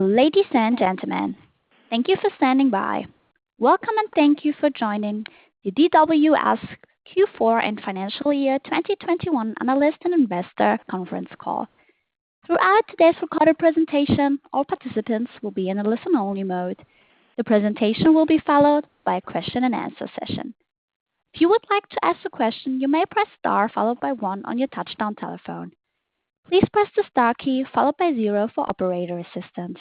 Ladies and gentlemen, thank you for standing by. Welcome and thank you for joining the DWS Q4 and Financial Year 2021 Analyst and Investor Conference Call. Throughout today's recorded presentation, all participants will be in a listen-only mode. The presentation will be followed by a question-and-answer session. If you would like to ask a question, you may press Star followed by one on your touch-tone telephone. Please press the Star key followed by zero for operator assistance.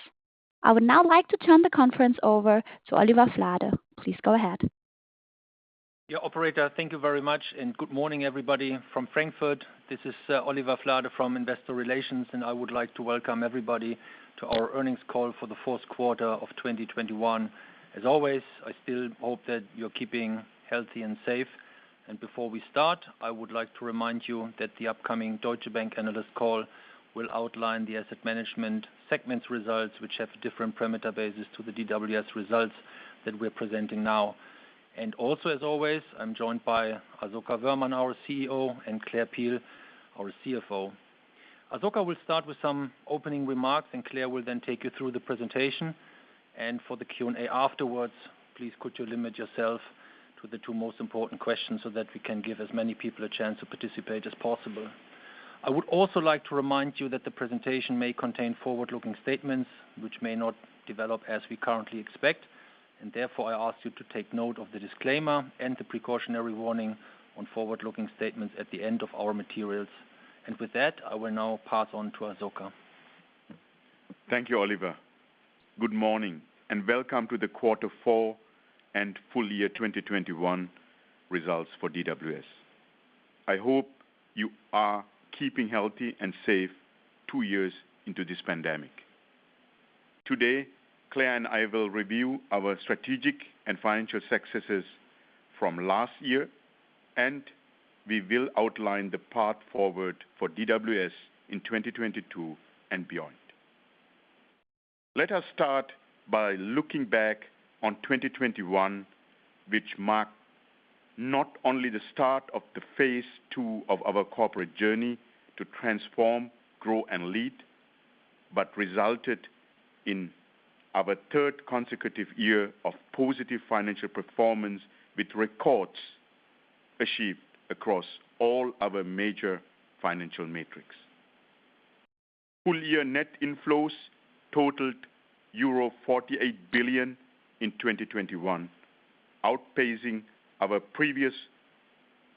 I would now like to turn the conference over to Oliver Flade. Please go ahead. Yeah, operator, thank you very much and good morning, everybody from Frankfurt. This is Oliver Flade from Investor Relations, and I would like to welcome everybody to our earnings call for the fourth quarter of 2021. As always, I still hope that you're keeping healthy and safe. Before we start, I would like to remind you that the upcoming Deutsche Bank analyst call will outline the asset management segment's results, which have different parameter bases to the DWS results that we're presenting now. Also, as always, I'm joined by Asoka Wöhrmann, our CEO, and Claire Peel, our CFO. Asoka will start with some opening remarks, and Claire will then take you through the presentation. For the Q&A afterwards, please could you limit yourself to the two most important questions so that we can give as many people a chance to participate as possible. I would also like to remind you that the presentation may contain forward-looking statements which may not develop as we currently expect. Therefore, I ask you to take note of the disclaimer and the precautionary warning on forward-looking statements at the end of our materials. With that, I will now pass on to Asoka Wöhrmann. Thank you, Oliver. Good morning and welcome to the quarter four and full year 2021 results for DWS. I hope you are keeping healthy and safe two years into this pandemic. Today, Claire and I will review our strategic and financial successes from last year, and we will outline the path forward for DWS in 2022 and beyond. Let us start by looking back on 2021, which marked not only the start of the phase II of our corporate journey to transform, grow, and lead, but resulted in our third consecutive year of positive financial performance with records achieved across all our major financial metrics. Full year net inflows totaled euro 48 billion in 2021, outpacing our previous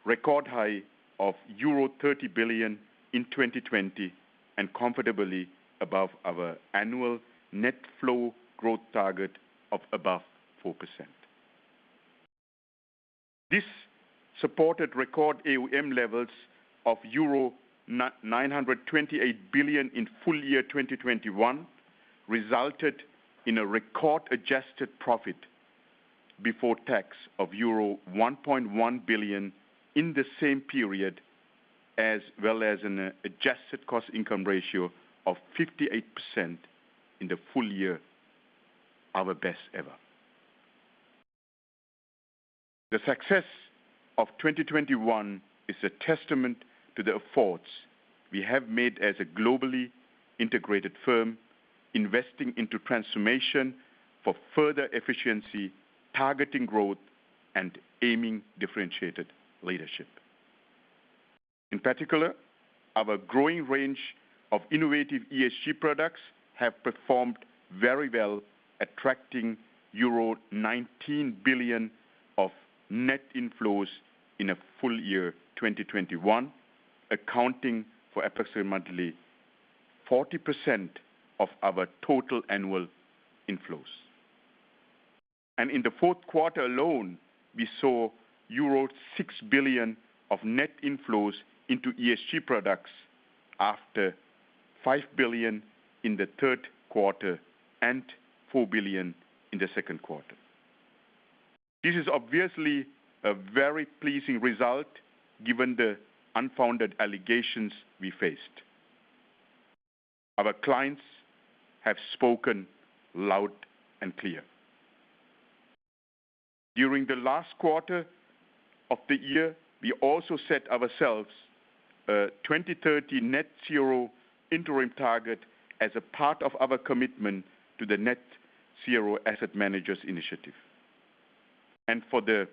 record high of euro 30 billion in 2020 and comfortably above our annual net flow growth target of above 4%. This supported record AUM levels of euro 928 billion in full year 2021 resulted in a record adjusted profit before tax of euro 1.1 billion in the same period, as well as an adjusted cost income ratio of 58% in the full year, our best ever. The success of 2021 is a testament to the efforts we have made as a globally integrated firm, investing into transformation for further efficiency, targeting growth, and aiming differentiated leadership. In particular, our growing range of innovative ESG products have performed very well, attracting euro 19 billion of net inflows in a full year 2021, accounting for approximately 40% of our total annual inflows. In the fourth quarter alone, we saw euro 6 billion of net inflows into ESG products after 5 billion in the third quarter and 4 billion in the second quarter. This is obviously a very pleasing result given the unfounded allegations we faced. Our clients have spoken loud and clear. During the last quarter of the year, we also set ourselves a 2030 net zero interim target as a part of our commitment to the Net Zero Asset Managers Initiative. For the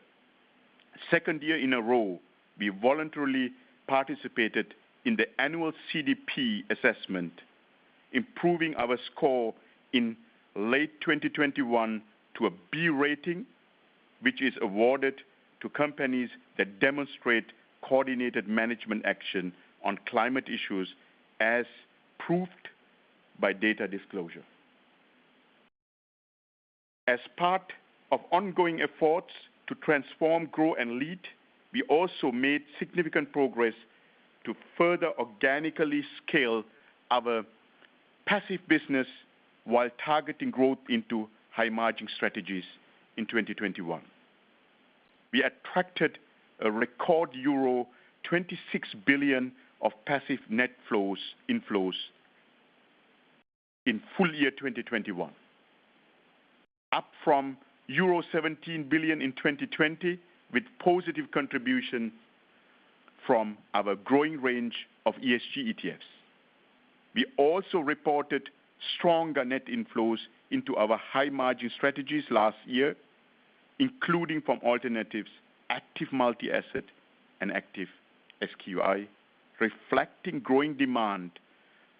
second year in a row, we voluntarily participated in the annual CDP assessment, improving our score in late 2021 to a B rating, which is awarded to companies that demonstrate coordinated management action on climate issues as proved by data disclosure. As part of ongoing efforts to transform, grow and lead, we also made significant progress to further organically scale our passive business while targeting growth into high margin strategies in 2021. We attracted a record euro 26 billion of passive net flows inflows in full year 2021. Up from euro 17 billion in 2020 with positive contribution from our growing range of ESG ETFs. We also reported stronger net inflows into our high-margin strategies last year, including from alternatives, active multi-asset and active SQI, reflecting growing demand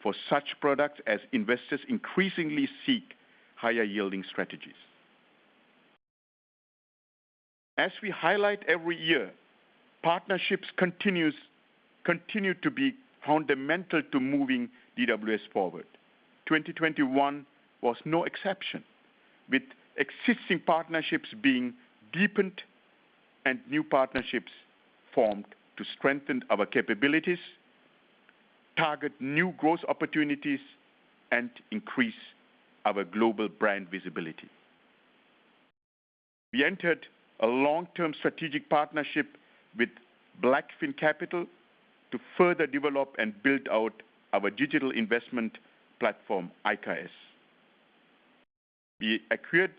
for such products as investors increasingly seek higher yielding strategies. As we highlight every year, partnerships continue to be fundamental to moving DWS forward. 2021 was no exception, with existing partnerships being deepened and new partnerships formed to strengthen our capabilities, target new growth opportunities, and increase our global brand visibility. We entered a long-term strategic partnership with BlackFin Capital Partners to further develop and build out our digital investment platform, IKS. We acquired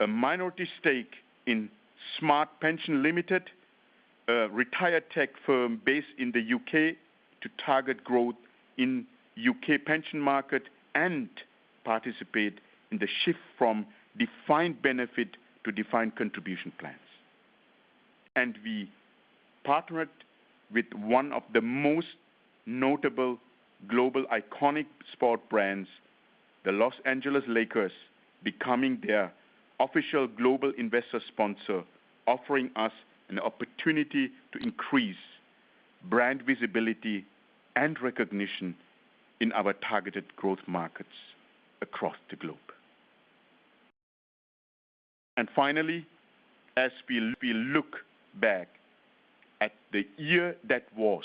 a minority stake in Smart Pension Limited, a retiretech firm based in the U.K., to target growth in U.K. pension market and participate in the shift from defined benefit to defined contribution plans. We partnered with one of the most notable global iconic sport brands, the Los Angeles Lakers, becoming their official global investor sponsor, offering us an opportunity to increase brand visibility and recognition in our targeted growth markets across the globe. Finally, as we look back at the year that was.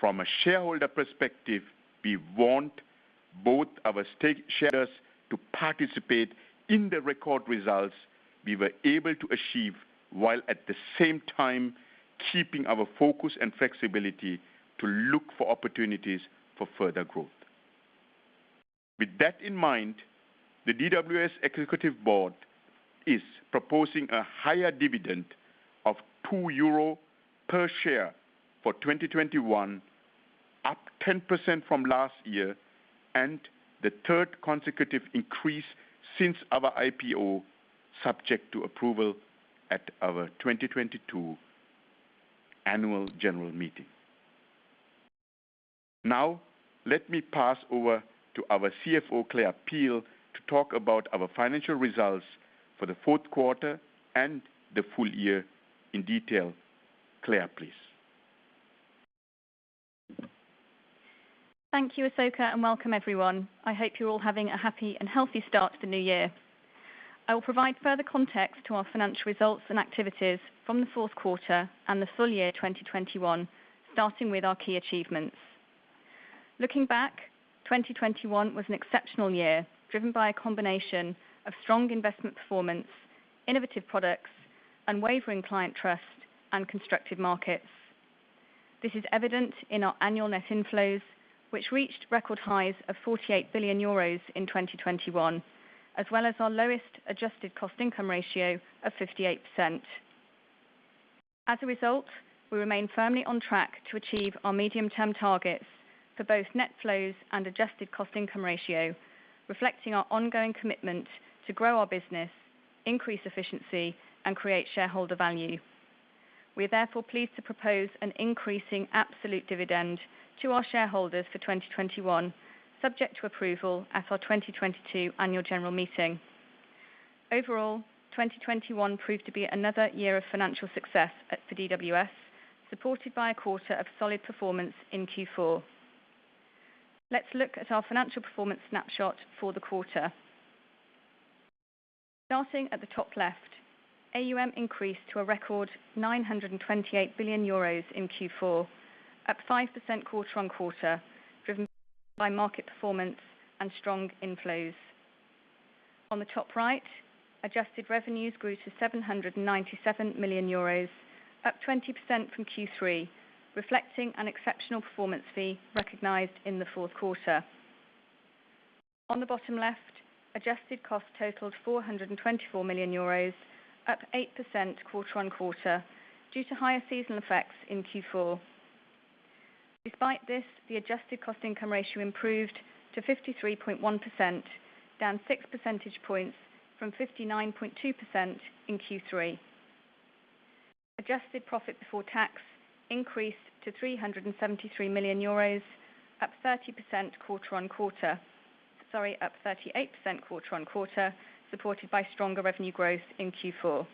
From a shareholder perspective, we want both our shareholders to participate in the record results we were able to achieve, while at the same time keeping our focus and flexibility to look for opportunities for further growth. With that in mind, the DWS Executive Board is proposing a higher dividend of 2 euro per share for 2021, up 10% from last year and the third consecutive increase since our IPO, subject to approval at our 2022 annual general meeting. Now let me pass over to our CFO, Claire Peel, to talk about our financial results for the fourth quarter and the full year in detail. Claire, please. Thank you, Asoka, and welcome everyone. I hope you're all having a happy and healthy start to the new year. I will provide further context to our financial results and activities from the fourth quarter and the full year 2021, starting with our key achievements. Looking back, 2021 was an exceptional year, driven by a combination of strong investment performance, innovative products, unwavering client trust and constructive markets. This is evident in our annual net inflows, which reached record highs of 48 billion euros in 2021, as well as our lowest adjusted cost income ratio of 58%. As a result, we remain firmly on track to achieve our medium-term targets for both net flows and adjusted cost income ratio, reflecting our ongoing commitment to grow our business, increase efficiency and create shareholder value. We are therefore pleased to propose an increasing absolute dividend to our shareholders for 2021, subject to approval at our 2022 annual general meeting. Overall, 2021 proved to be another year of financial success for DWS, supported by a quarter of solid performance in Q4. Let's look at our financial performance snapshot for the quarter. Starting at the top left, AUM increased to a record 928 billion euros in Q4, up 5% quarter-over-quarter, driven by market performance and strong inflows. On the top right, adjusted revenues grew to 797 million euros, up 20% from Q3, reflecting an exceptional performance fee recognized in the fourth quarter. On the bottom left, adjusted cost totaled 424 million euros, up 8% quarter-over-quarter due to higher seasonal effects in Q4. Despite this, the adjusted cost income ratio improved to 53.1%, down 6 percentage points from 59.2% in Q3. Adjusted profit before tax increased to 373 million euros, up 30% quarter-on-quarter. Sorry, up 38% quarter-on-quarter, supported by stronger revenue growth in Q4.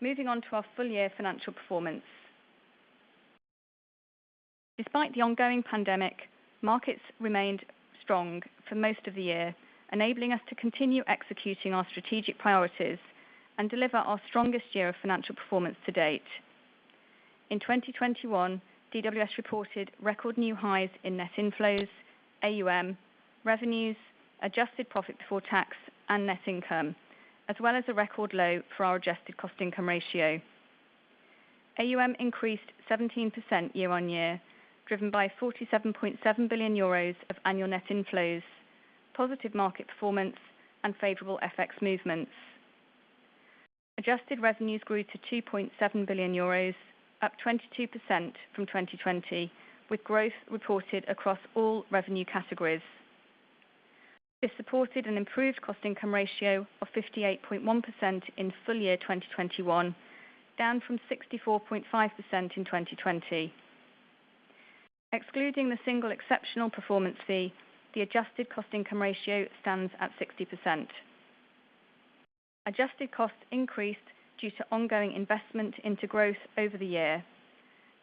Moving on to our full-year financial performance. Despite the ongoing pandemic, markets remained strong for most of the year, enabling us to continue executing our strategic priorities and deliver our strongest year of financial performance to date. In 2021, DWS reported record new highs in net inflows, AUM, revenues, adjusted profit before tax and net income, as well as a record low for our adjusted cost income ratio. AUM increased 17% year-on-year, driven by 47.7 billion euros of annual net inflows, positive market performance and favorable FX movements. Adjusted revenues grew to 2.7 billion euros, up 22% from 2020, with growth reported across all revenue categories. This supported an improved cost income ratio of 58.1% in full year 2021, down from 64.5% in 2020. Excluding the single exceptional performance fee, the adjusted cost income ratio stands at 60%. Adjusted costs increased due to ongoing investment into growth over the year.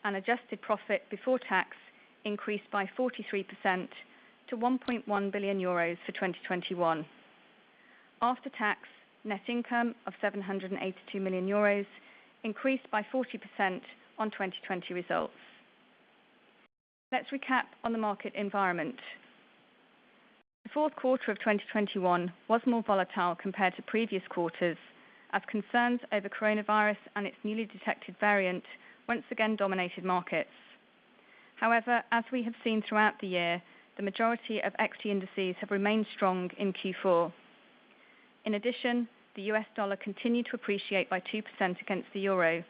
An adjusted profit before tax increased by 43% to 1.1 billion euros for 2021. After tax net income of 782 million euros increased by 40% on 2020 results. Let's recap on the market environment. The fourth quarter of 2021 was more volatile compared to previous quarters as concerns over coronavirus and its newly detected variant once again dominated markets. However, as we have seen throughout the year, the majority of equity indices have remained strong in Q4. In addition, the U.S. dollar continued to appreciate by 2% against the euro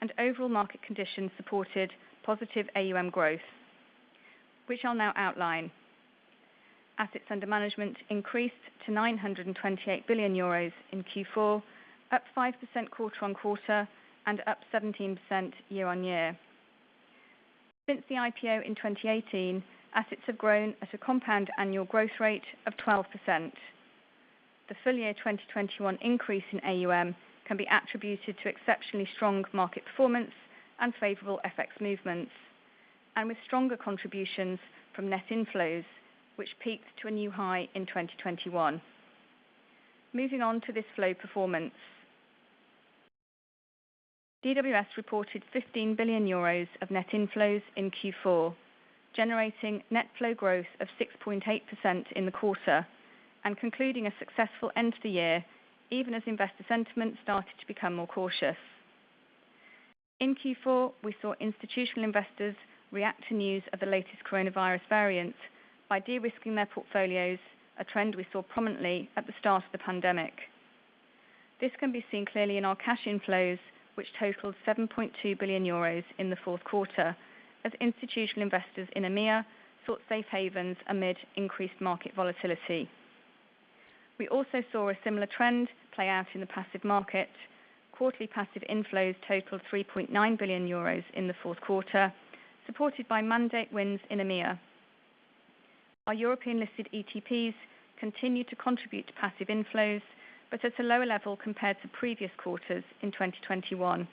and overall market conditions supported positive AUM growth. We shall now outline. Assets under management increased to 928 billion euros in Q4, up 5% quarter-over-quarter and up 17% year-over-year. Since the IPO in 2018, assets have grown at a compound annual growth rate of 12%. The full year 2021 increase in AUM can be attributed to exceptionally strong market performance and favorable FX movements and with stronger contributions from net inflows which peaked to a new high in 2021. Moving on to this flow performance. DWS reported 15 billion euros of net inflows in Q4, generating net flow growth of 6.8% in the quarter and concluding a successful end to the year even as investor sentiment started to become more cautious. In Q4, we saw institutional investors react to news of the latest coronavirus variant by de-risking their portfolios, a trend we saw prominently at the start of the pandemic. This can be seen clearly in our cash inflows, which totaled 7.2 billion euros in the fourth quarter as institutional investors in EMEA sought safe havens amid increased market volatility. We also saw a similar trend play out in the passive market. Quarterly passive inflows totaled 3.9 billion euros in the fourth quarter, supported by mandate wins in EMEA. Our European listed ETPs continued to contribute to passive inflows, but at a lower level compared to previous quarters in 2021.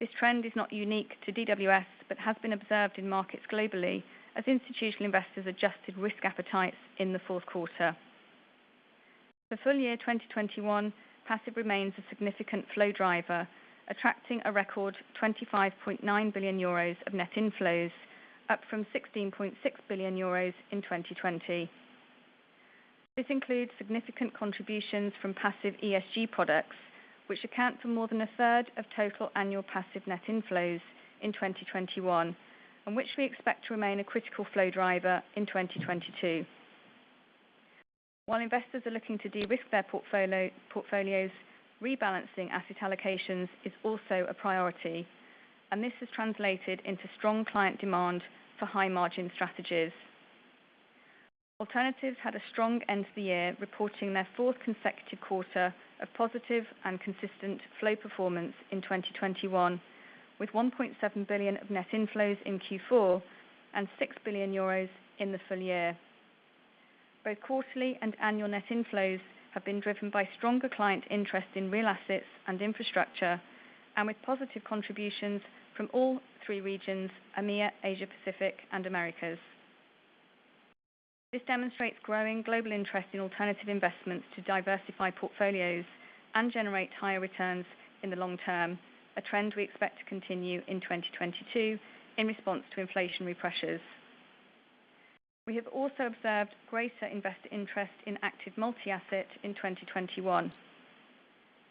This trend is not unique to DWS, but has been observed in markets globally as institutional investors adjusted risk appetites in the fourth quarter. For full year 2021, passive remains a significant flow driver, attracting a record 25.9 billion euros of net inflows, up from 16.6 billion euros in 2020. This includes significant contributions from passive ESG products, which account for more than a third of total annual passive net inflows in 2021, and which we expect to remain a critical flow driver in 2022. While investors are looking to de-risk their portfolios, rebalancing asset allocations is also a priority, and this has translated into strong client demand for high margin strategies. Alternatives had a strong end to the year, reporting their fourth consecutive quarter of positive and consistent flow performance in 2021 with 1.7 billion of net inflows in Q4 and 6 billion euros in the full year. Both quarterly and annual net inflows have been driven by stronger client interest in real assets and infrastructure and with positive contributions from all three regions, EMEA, Asia Pacific and Americas. This demonstrates growing global interest in alternative investments to diversify portfolios and generate higher returns in the long term, a trend we expect to continue in 2022 in response to inflationary pressures. We have also observed greater investor interest in active multi-asset in 2021.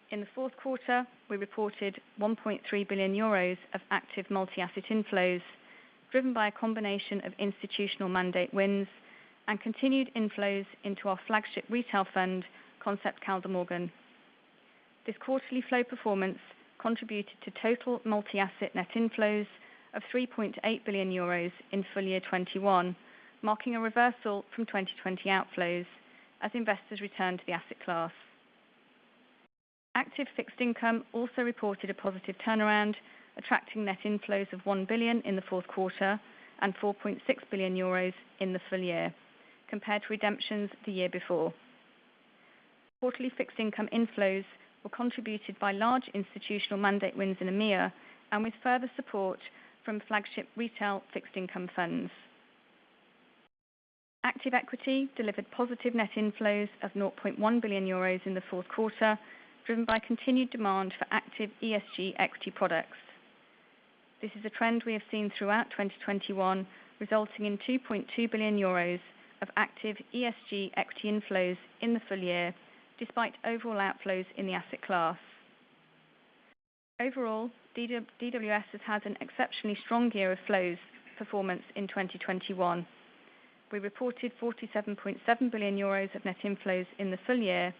In the fourth quarter, we reported 1.3 billion euros of active multi-asset inflows, driven by a combination of institutional mandate wins and continued inflows into our flagship retail fund Concept Kaldemorgen. This quarterly flow performance contributed to total multi-asset net inflows of 3.8 billion euros in full year 2021, marking a reversal from 2020 outflows as investors returned to the asset class. Active fixed income also reported a positive turnaround, attracting net inflows of 1 billion in the fourth quarter and 4.6 billion euros in the full year compared to redemptions the year before. Quarterly fixed income inflows were contributed by large institutional mandate wins in EMEA and with further support from flagship retail fixed income funds. Active equity delivered positive net inflows of 0.1 billion euros in the fourth quarter, driven by continued demand for active ESG equity products. This is a trend we have seen throughout 2021, resulting in 2.2 billion euros of active ESG equity inflows in the full year, despite overall outflows in the asset class. Overall, DWS has had an exceptionally strong year of flows performance in 2021. We reported 47.7 billion euros of net inflows in the full year,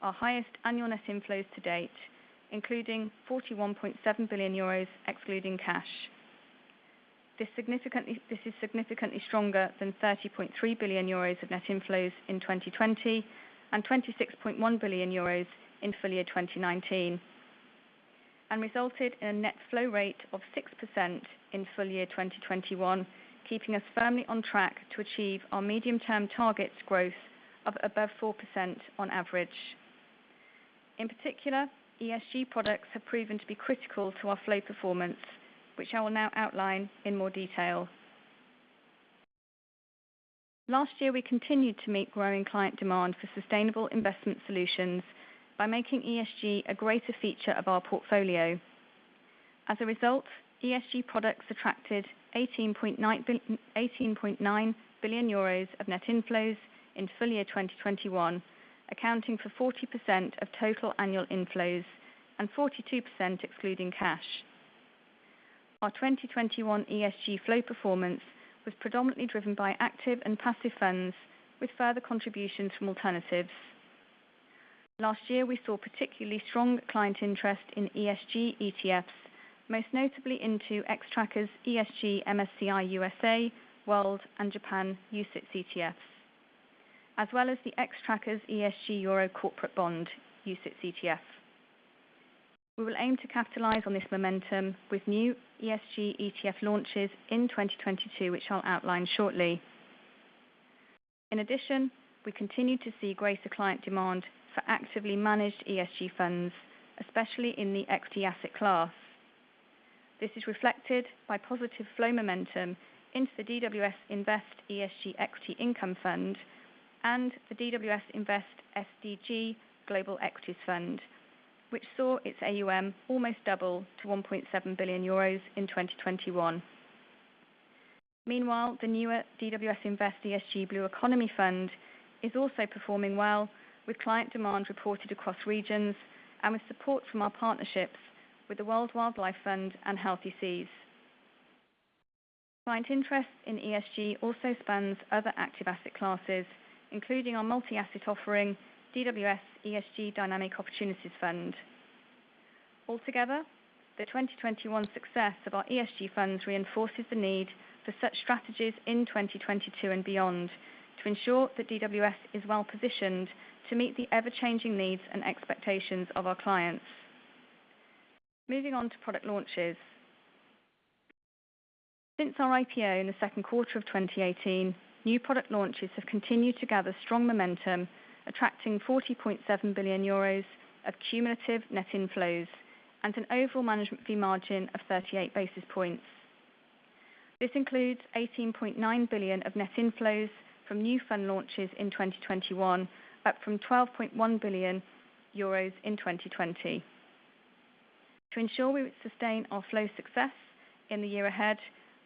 our highest annual net inflows to date, including 41.7 billion euros excluding cash. This is significantly stronger than 30.3 billion euros of net inflows in 2020 and 26.1 billion euros in full year 2019, and resulted in a net flow rate of 6% in full year 2021, keeping us firmly on track to achieve our medium-term targets growth of above 4% on average. In particular, ESG products have proven to be critical to our flow performance, which I will now outline in more detail. Last year, we continued to meet growing client demand for sustainable investment solutions by making ESG a greater feature of our portfolio. As a result, ESG products attracted 18.9 billion euros of net inflows in full year 2021, accounting for 40% of total annual inflows and 42% excluding cash. Our 2021 ESG flow performance was predominantly driven by active and passive funds, with further contributions from alternatives. Last year, we saw particularly strong client interest in ESG ETFs, most notably into Xtrackers MSCI USA ESG UCITS ETF, Xtrackers MSCI World ESG UCITS ETF and Xtrackers MSCI Japan ESG UCITS ETF, as well as the Xtrackers II ESG EUR Corporate Bond UCITS ETF. We will aim to capitalize on this momentum with new ESG ETF launches in 2022, which I'll outline shortly. In addition, we continue to see greater client demand for actively managed ESG funds, especially in the equity asset class. This is reflected by positive flow momentum into the DWS Invest ESG Equity Income Fund and the DWS Invest SDG Global Equities Fund, which saw its AUM almost double to 1.7 billion euros in 2021. Meanwhile, the newer DWS Concept ESG Blue Economy Fund is also performing well with client demand reported across regions and with support from our partnerships with the World Wildlife Fund and Healthy Seas. Client interest in ESG also spans other active asset classes, including our multi-asset offering, DWS Invest ESG Dynamic Opportunities Fund. Altogether, the 2021 success of our ESG funds reinforces the need for such strategies in 2022 and beyond, to ensure that DWS is well positioned to meet the ever-changing needs and expectations of our clients. Moving on to product launches. Since our IPO in the second quarter of 2018, new product launches have continued to gather strong momentum, attracting 40.7 billion euros of cumulative net inflows and an overall management fee margin of 38 basis points. This includes 18.9 billion of net inflows from new fund launches in 2021, up from 12.1 billion euros in 2020. To ensure we sustain our flow success in the year ahead,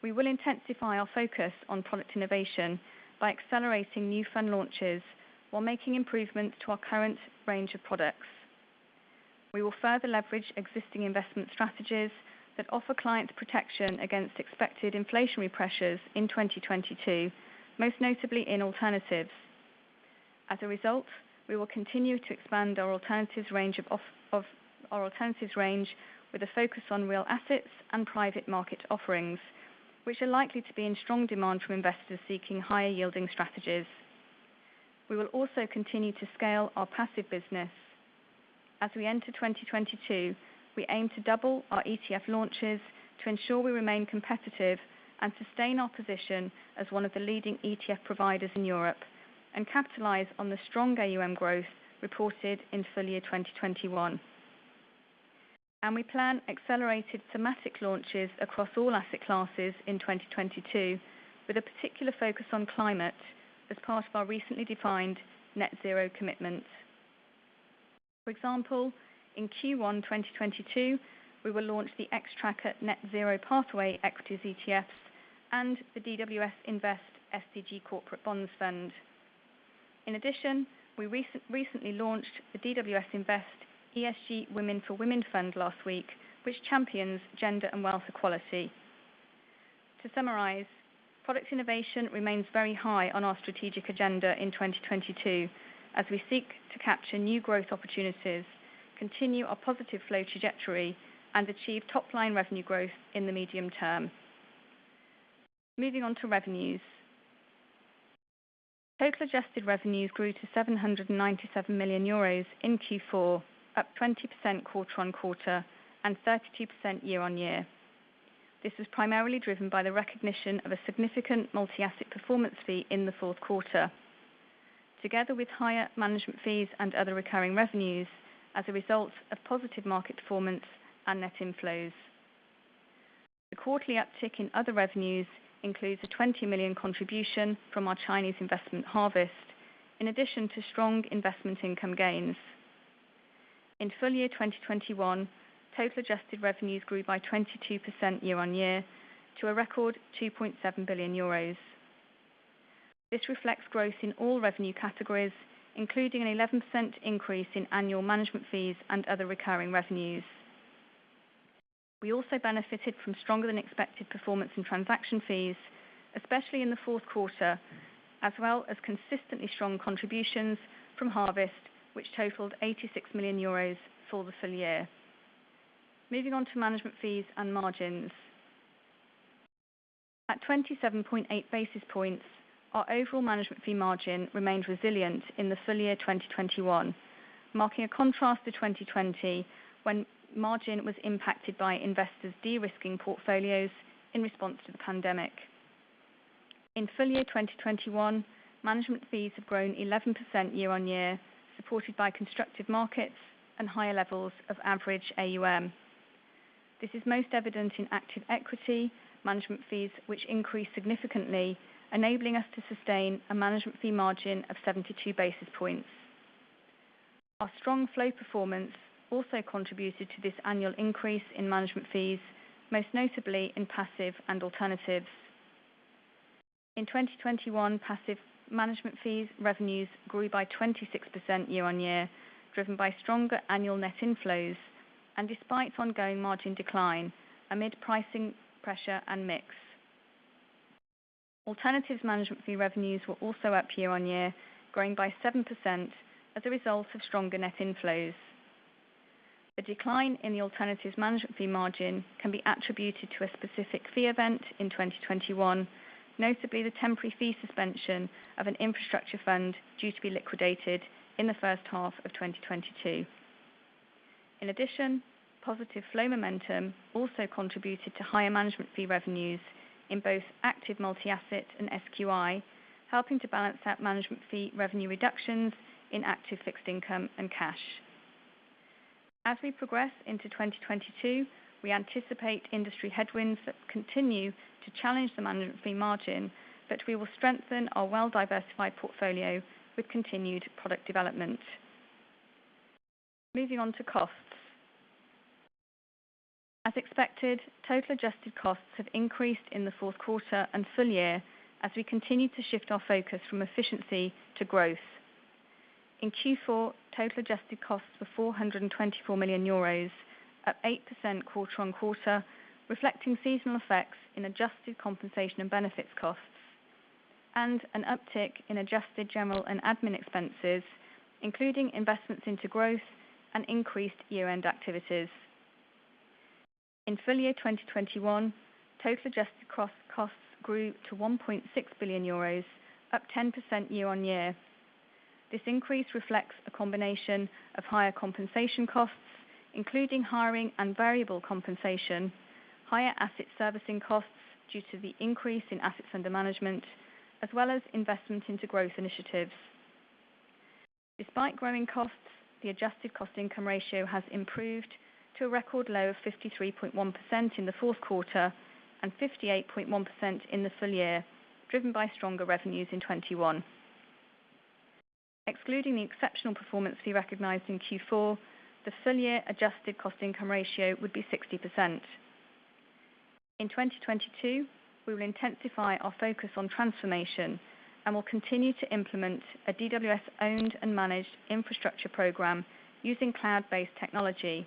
we will intensify our focus on product innovation by accelerating new fund launches while making improvements to our current range of products. We will further leverage existing investment strategies that offer clients protection against expected inflationary pressures in 2022, most notably in alternatives. As a result, we will continue to expand our alternatives range with a focus on real assets and private market offerings, which are likely to be in strong demand from investors seeking higher yielding strategies. We will also continue to scale our passive business. As we enter 2022, we aim to double our ETF launches to ensure we remain competitive and sustain our position as one of the leading ETF providers in Europe and capitalize on the strong AUM growth reported in full year 2021. We plan accelerated thematic launches across all asset classes in 2022, with a particular focus on climate as part of our recently defined net zero commitment. For example, in Q1 2022, we will launch the Xtrackers Net Zero Pathway Equities ETFs and the DWS Invest SDG Corporate Bonds fund. In addition, we recently launched the DWS Invest ESG Women for Women Fund last week, which champions gender and wealth equality. To summarize, product innovation remains very high on our strategic agenda in 2022, as we seek to capture new growth opportunities, continue our positive flow trajectory and achieve top line revenue growth in the medium term. Moving on to revenues. Total adjusted revenues grew to 797 million euros in Q4, up 20% quarter-on-quarter and 32% year-on-year. This was primarily driven by the recognition of a significant multi-asset performance fee in the fourth quarter, together with higher management fees and other recurring revenues as a result of positive market performance and net inflows. The quarterly uptick in other revenues includes a 20 million contribution from our Chinese investment Harvest, in addition to strong investment income gains. In full year 2021, total adjusted revenues grew by 22% year-over-year to a record EUR 2.7 billion. This reflects growth in all revenue categories, including an 11% increase in annual management fees and other recurring revenues. We also benefited from stronger than expected performance in transaction fees, especially in the fourth quarter, as well as consistently strong contributions from Harvest, which totaled 86 million euros for the full year. Moving on to management fees and margins. At 27.8 basis points, our overall management fee margin remained resilient in the full year 2021, marking a contrast to 2020, when margin was impacted by investors de-risking portfolios in response to the pandemic. In full year 2021, management fees have grown 11% year-on-year, supported by constructive markets and higher levels of average AUM. This is most evident in active equity management fees, which increased significantly, enabling us to sustain a management fee margin of 72 basis points. Our strong flow performance also contributed to this annual increase in management fees, most notably in passive and alternatives. In 2021, passive management fees revenues grew by 26% year-on-year, driven by stronger annual net inflows and despite ongoing margin decline amid pricing pressure and mix. Alternatives management fee revenues were also up year-on-year, growing by 7% as a result of stronger net inflows. The decline in the alternatives management fee margin can be attributed to a specific fee event in 2021, notably the temporary fee suspension of an infrastructure fund due to be liquidated in the first half of 2022. In addition, positive flow momentum also contributed to higher management fee revenues in both active multi-asset and SQI, helping to balance out management fee revenue reductions in active fixed income and cash. As we progress into 2022, we anticipate industry headwinds that continue to challenge the management fee margin, but we will strengthen our well-diversified portfolio with continued product development. Moving on to costs. As expected, total adjusted costs have increased in the fourth quarter and full year as we continue to shift our focus from efficiency to growth. In Q4, total adjusted costs were EUR 424 million, up 8% quarter-on-quarter, reflecting seasonal effects in adjusted compensation and benefits costs and an uptick in adjusted general and admin expenses, including investments into growth and increased year-end activities. In full year 2021, total adjusted costs grew to 1.6 billion euros, up 10% year-on-year. This increase reflects a combination of higher compensation costs, including hiring and variable compensation, higher asset servicing costs due to the increase in assets under management, as well as investment into growth initiatives. Despite growing costs, the adjusted cost-income ratio has improved to a record low of 53.1% in the fourth quarter and 58.1% in the full year, driven by stronger revenues in 2021. Excluding the exceptional performance fee recognized in Q4, the full year adjusted cost income ratio would be 60%. In 2022, we will intensify our focus on transformation and will continue to implement a DWS owned and managed infrastructure program using cloud-based technology.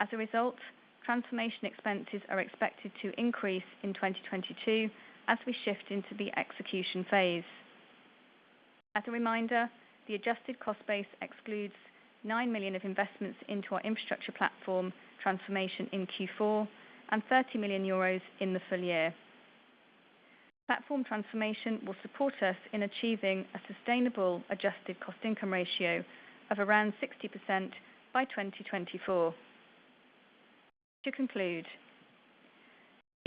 As a result, transformation expenses are expected to increase in 2022 as we shift into the execution phase. As a reminder, the adjusted cost base excludes 9 million of investments into our infrastructure platform transformation in Q4 and 30 million euros in the full year. Platform transformation will support us in achieving a sustainable adjusted cost income ratio of around 60% by 2024. To conclude,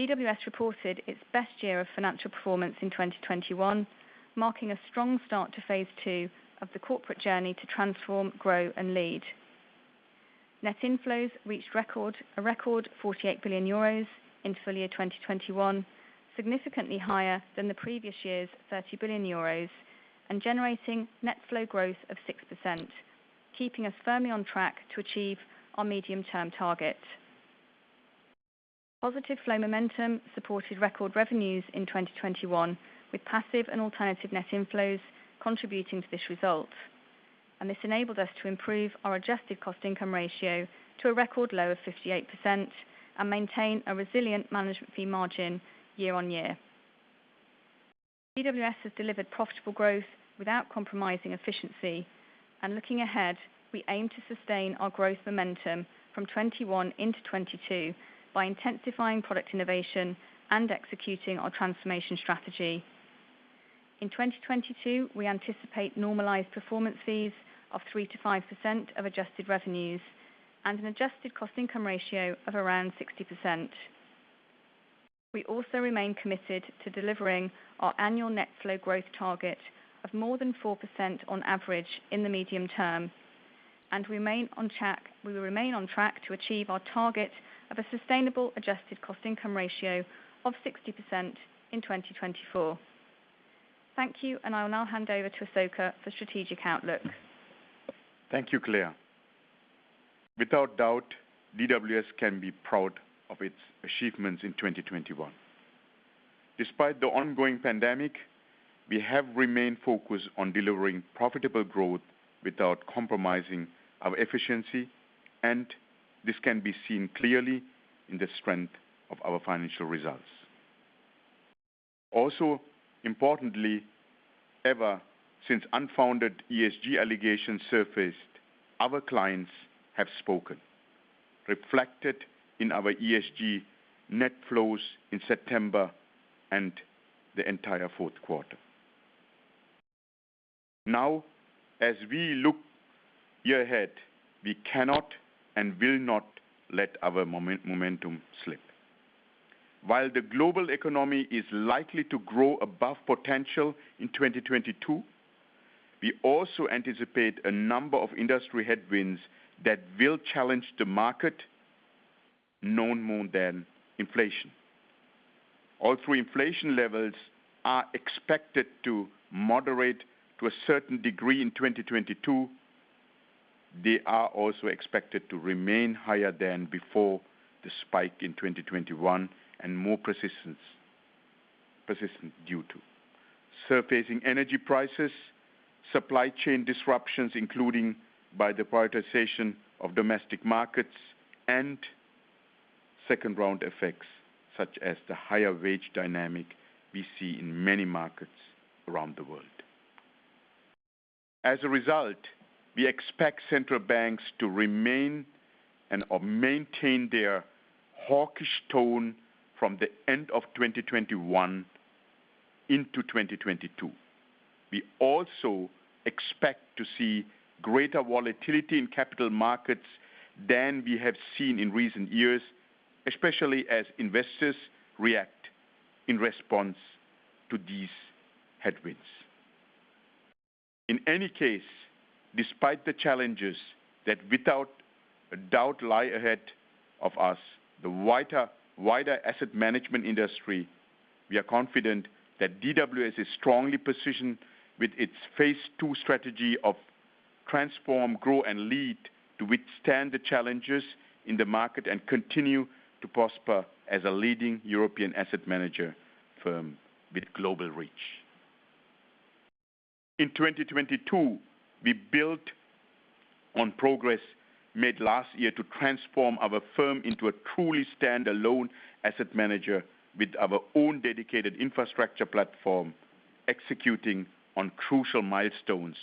DWS reported its best year of financial performance in 2021, marking a strong start to phase II of the corporate journey to transform, grow and lead. Net inflows reached a record 48 billion euros in full year 2021, significantly higher than the previous year's 30 billion euros and generating net flow growth of 6%, keeping us firmly on track to achieve our medium-term target. Positive flow momentum supported record revenues in 2021, with passive and alternative net inflows contributing to this result. This enabled us to improve our adjusted cost income ratio to a record low of 58% and maintain a resilient management fee margin year on year. DWS has delivered profitable growth without compromising efficiency. Looking ahead, we aim to sustain our growth momentum from 2021 into 2022 by intensifying product innovation and executing our transformation strategy. In 2022, we anticipate normalized performance fees of 3%-5% of adjusted revenues and an adjusted cost income ratio of around 60%. We also remain committed to delivering our annual net flow growth target of more than 4% on average in the medium term. We will remain on track to achieve our target of a sustainable adjusted cost income ratio of 60% in 2024. Thank you. I will now hand over to Asoka for strategic outlook. Thank you, Claire. Without doubt, DWS can be proud of its achievements in 2021. Despite the ongoing pandemic, we have remained focused on delivering profitable growth without compromising our efficiency, and this can be seen clearly in the strength of our financial results. Also importantly, ever since unfounded ESG allegations surfaced, our clients have spoken, reflected in our ESG net flows in September and the entire fourth quarter. Now, as we look year ahead, we cannot and will not let our momentum slip. While the global economy is likely to grow above potential in 2022, we also anticipate a number of industry headwinds that will challenge the market no more than inflation. Although inflation levels are expected to moderate to a certain degree in 2022, they are also expected to remain higher than before the spike in 2021 and more persistent due to surging energy prices, supply chain disruptions, including by the privatization of domestic markets and second-round effects such as the higher wage dynamic we see in many markets around the world. As a result, we expect central banks to remain and/or maintain their hawkish tone from the end of 2021 into 2022. We also expect to see greater volatility in capital markets than we have seen in recent years, especially as investors react in response to these headwinds. In any case, despite the challenges that without doubt lie ahead of us, the wider asset management industry, we are confident that DWS is strongly positioned with its phase II strategy of transform, grow and lead to withstand the challenges in the market and continue to prosper as a leading European asset manager firm with global reach. In 2022, we built on progress made last year to transform our firm into a truly standalone asset manager with our own dedicated infrastructure platform executing on crucial milestones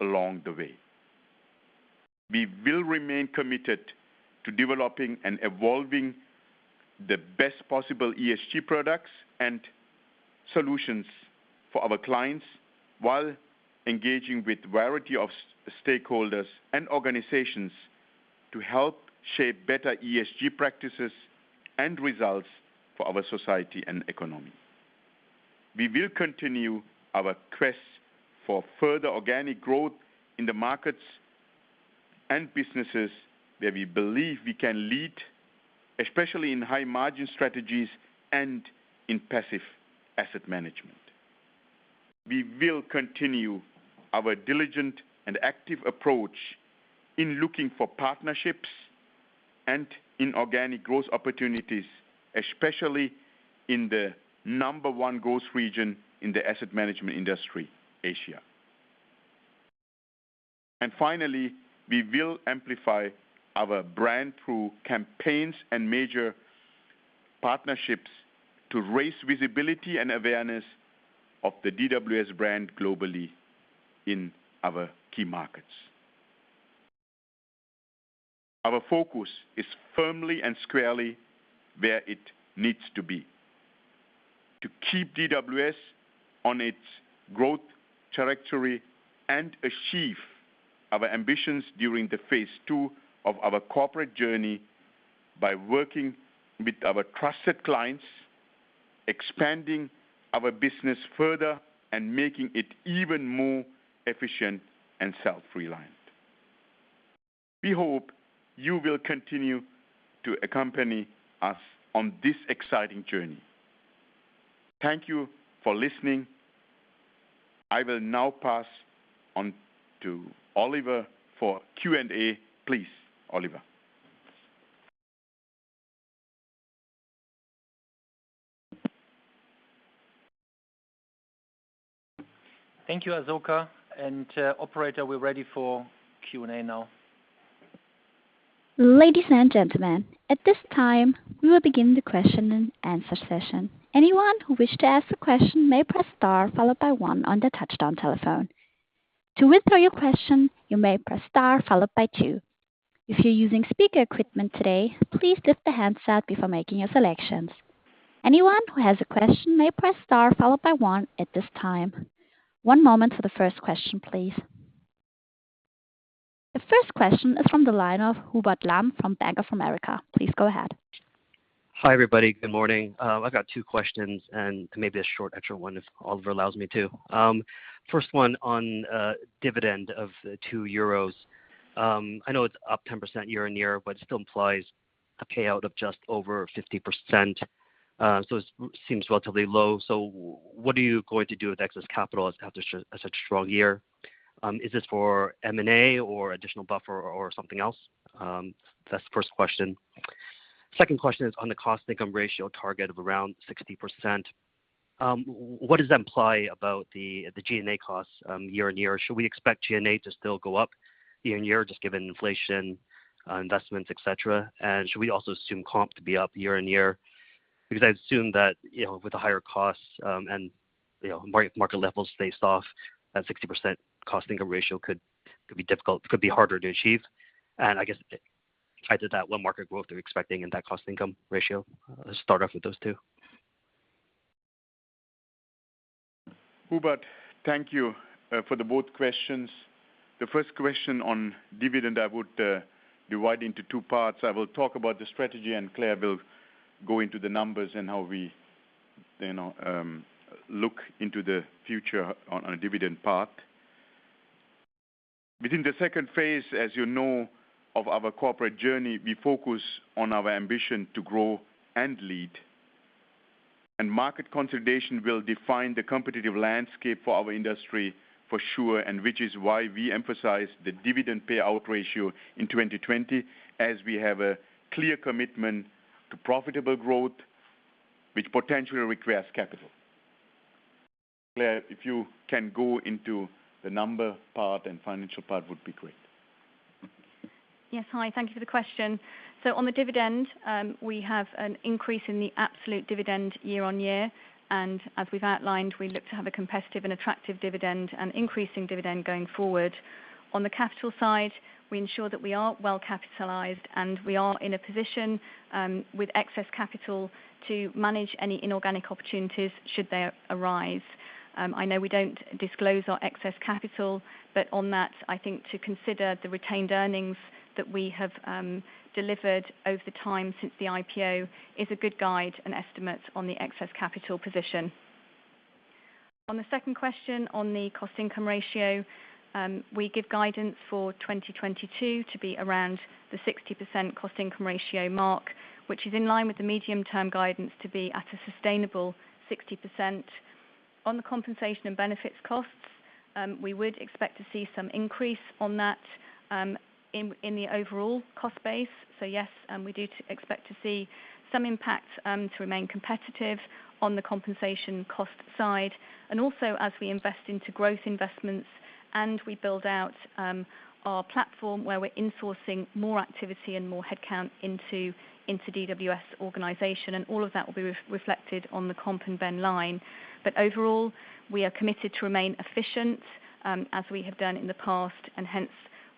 along the way. We will remain committed to developing and evolving the best possible ESG products and solutions for our clients while engaging with variety of stakeholders and organizations to help shape better ESG practices and results for our society and economy. We will continue our quest for further organic growth in the markets and businesses where we believe we can lead, especially in high margin strategies and in passive asset management. We will continue our diligent and active approach in looking for partnerships and in organic growth opportunities, especially in the number one growth region in the asset management industry, Asia. Finally, we will amplify our brand through campaigns and major partnerships to raise visibility and awareness of the DWS brand globally in our key markets. Our focus is firmly and squarely where it needs to be. To keep DWS on its growth trajectory and achieve our ambitions during the phase II of our corporate journey by working with our trusted clients, expanding our business further, and making it even more efficient and self-reliant. We hope you will continue to accompany us on this exciting journey. Thank you for listening. I will now pass on to Oliver for Q&A, please, Oliver. Thank you, Asoka. Operator, we're ready for Q&A now. Ladies and gentlemen, at this time we will begin the question and answer session. Anyone who wish to ask a question may press star followed by one on their touch-tone telephone. To withdraw your question, you may press star followed by two. If you're using speaker equipment today, please lift the handset before making your selections. Anyone who has a question may press star followed by one at this time. One moment for the first question, please. The first question is from the line of Hubert Lam from Bank of America. Please go ahead. Hi, everybody. Good morning. I've got two questions and maybe a short extra one if Oliver allows me to. First one on dividend of 2 euros. I know it's up 10% year-on-year, but it still implies a payout of just over 50%, so it seems relatively low. What are you going to do with excess capital after such a strong year? Is this for M&A or additional buffer or something else? That's the first question. Second question is on the cost-income ratio target of around 60%. What does that imply about the G&A costs year-on-year? Should we expect G&A to still go up year-on-year, just given inflation, investments, et cetera? And should we also assume comp to be up year-on-year? Because I assume that, you know, with the higher costs, and, you know, market levels faced off, that 60% cost-income ratio could be difficult, could be harder to achieve. I guess added to that, what market growth are you expecting in that cost-income ratio? Let's start off with those two. Hubert Lam, thank you for both questions. The first question on dividend, I would divide into two parts. I will talk about the strategy, and Claire Peel will go into the numbers and how we, you know, look into the future on the dividend part. Within the second phase, as you know, of our corporate journey, we focus on our ambition to grow and lead. Market consolidation will define the competitive landscape for our industry for sure, and which is why we emphasize the dividend payout ratio in 2020, as we have a clear commitment to profitable growth which potentially requires capital. Claire Peel, if you can go into the number part and financial part would be great. Yes. Hi. Thank you for the question. On the dividend, we have an increase in the absolute dividend year-on-year, and as we've outlined, we look to have a competitive and attractive dividend and increasing dividend going forward. On the capital side, we ensure that we are well capitalized, and we are in a position with excess capital to manage any inorganic opportunities should they arise. I know we don't disclose our excess capital, but on that, I think to consider the retained earnings that we have delivered over the time since the IPO is a good guide and estimate on the excess capital position. On the second question on the cost-income ratio, we give guidance for 2022 to be around the 60% cost-income ratio mark, which is in line with the medium-term guidance to be at a sustainable 60%. On the compensation and benefits costs, we would expect to see some increase on that, in the overall cost base. Yes, we do expect to see some impact to remain competitive on the compensation cost side. Also, as we invest into growth investments and we build out our platform where we're insourcing more activity and more headcount into DWS organization, and all of that will be reflected on the comp and ben line. Overall, we are committed to remain efficient as we have done in the past, and hence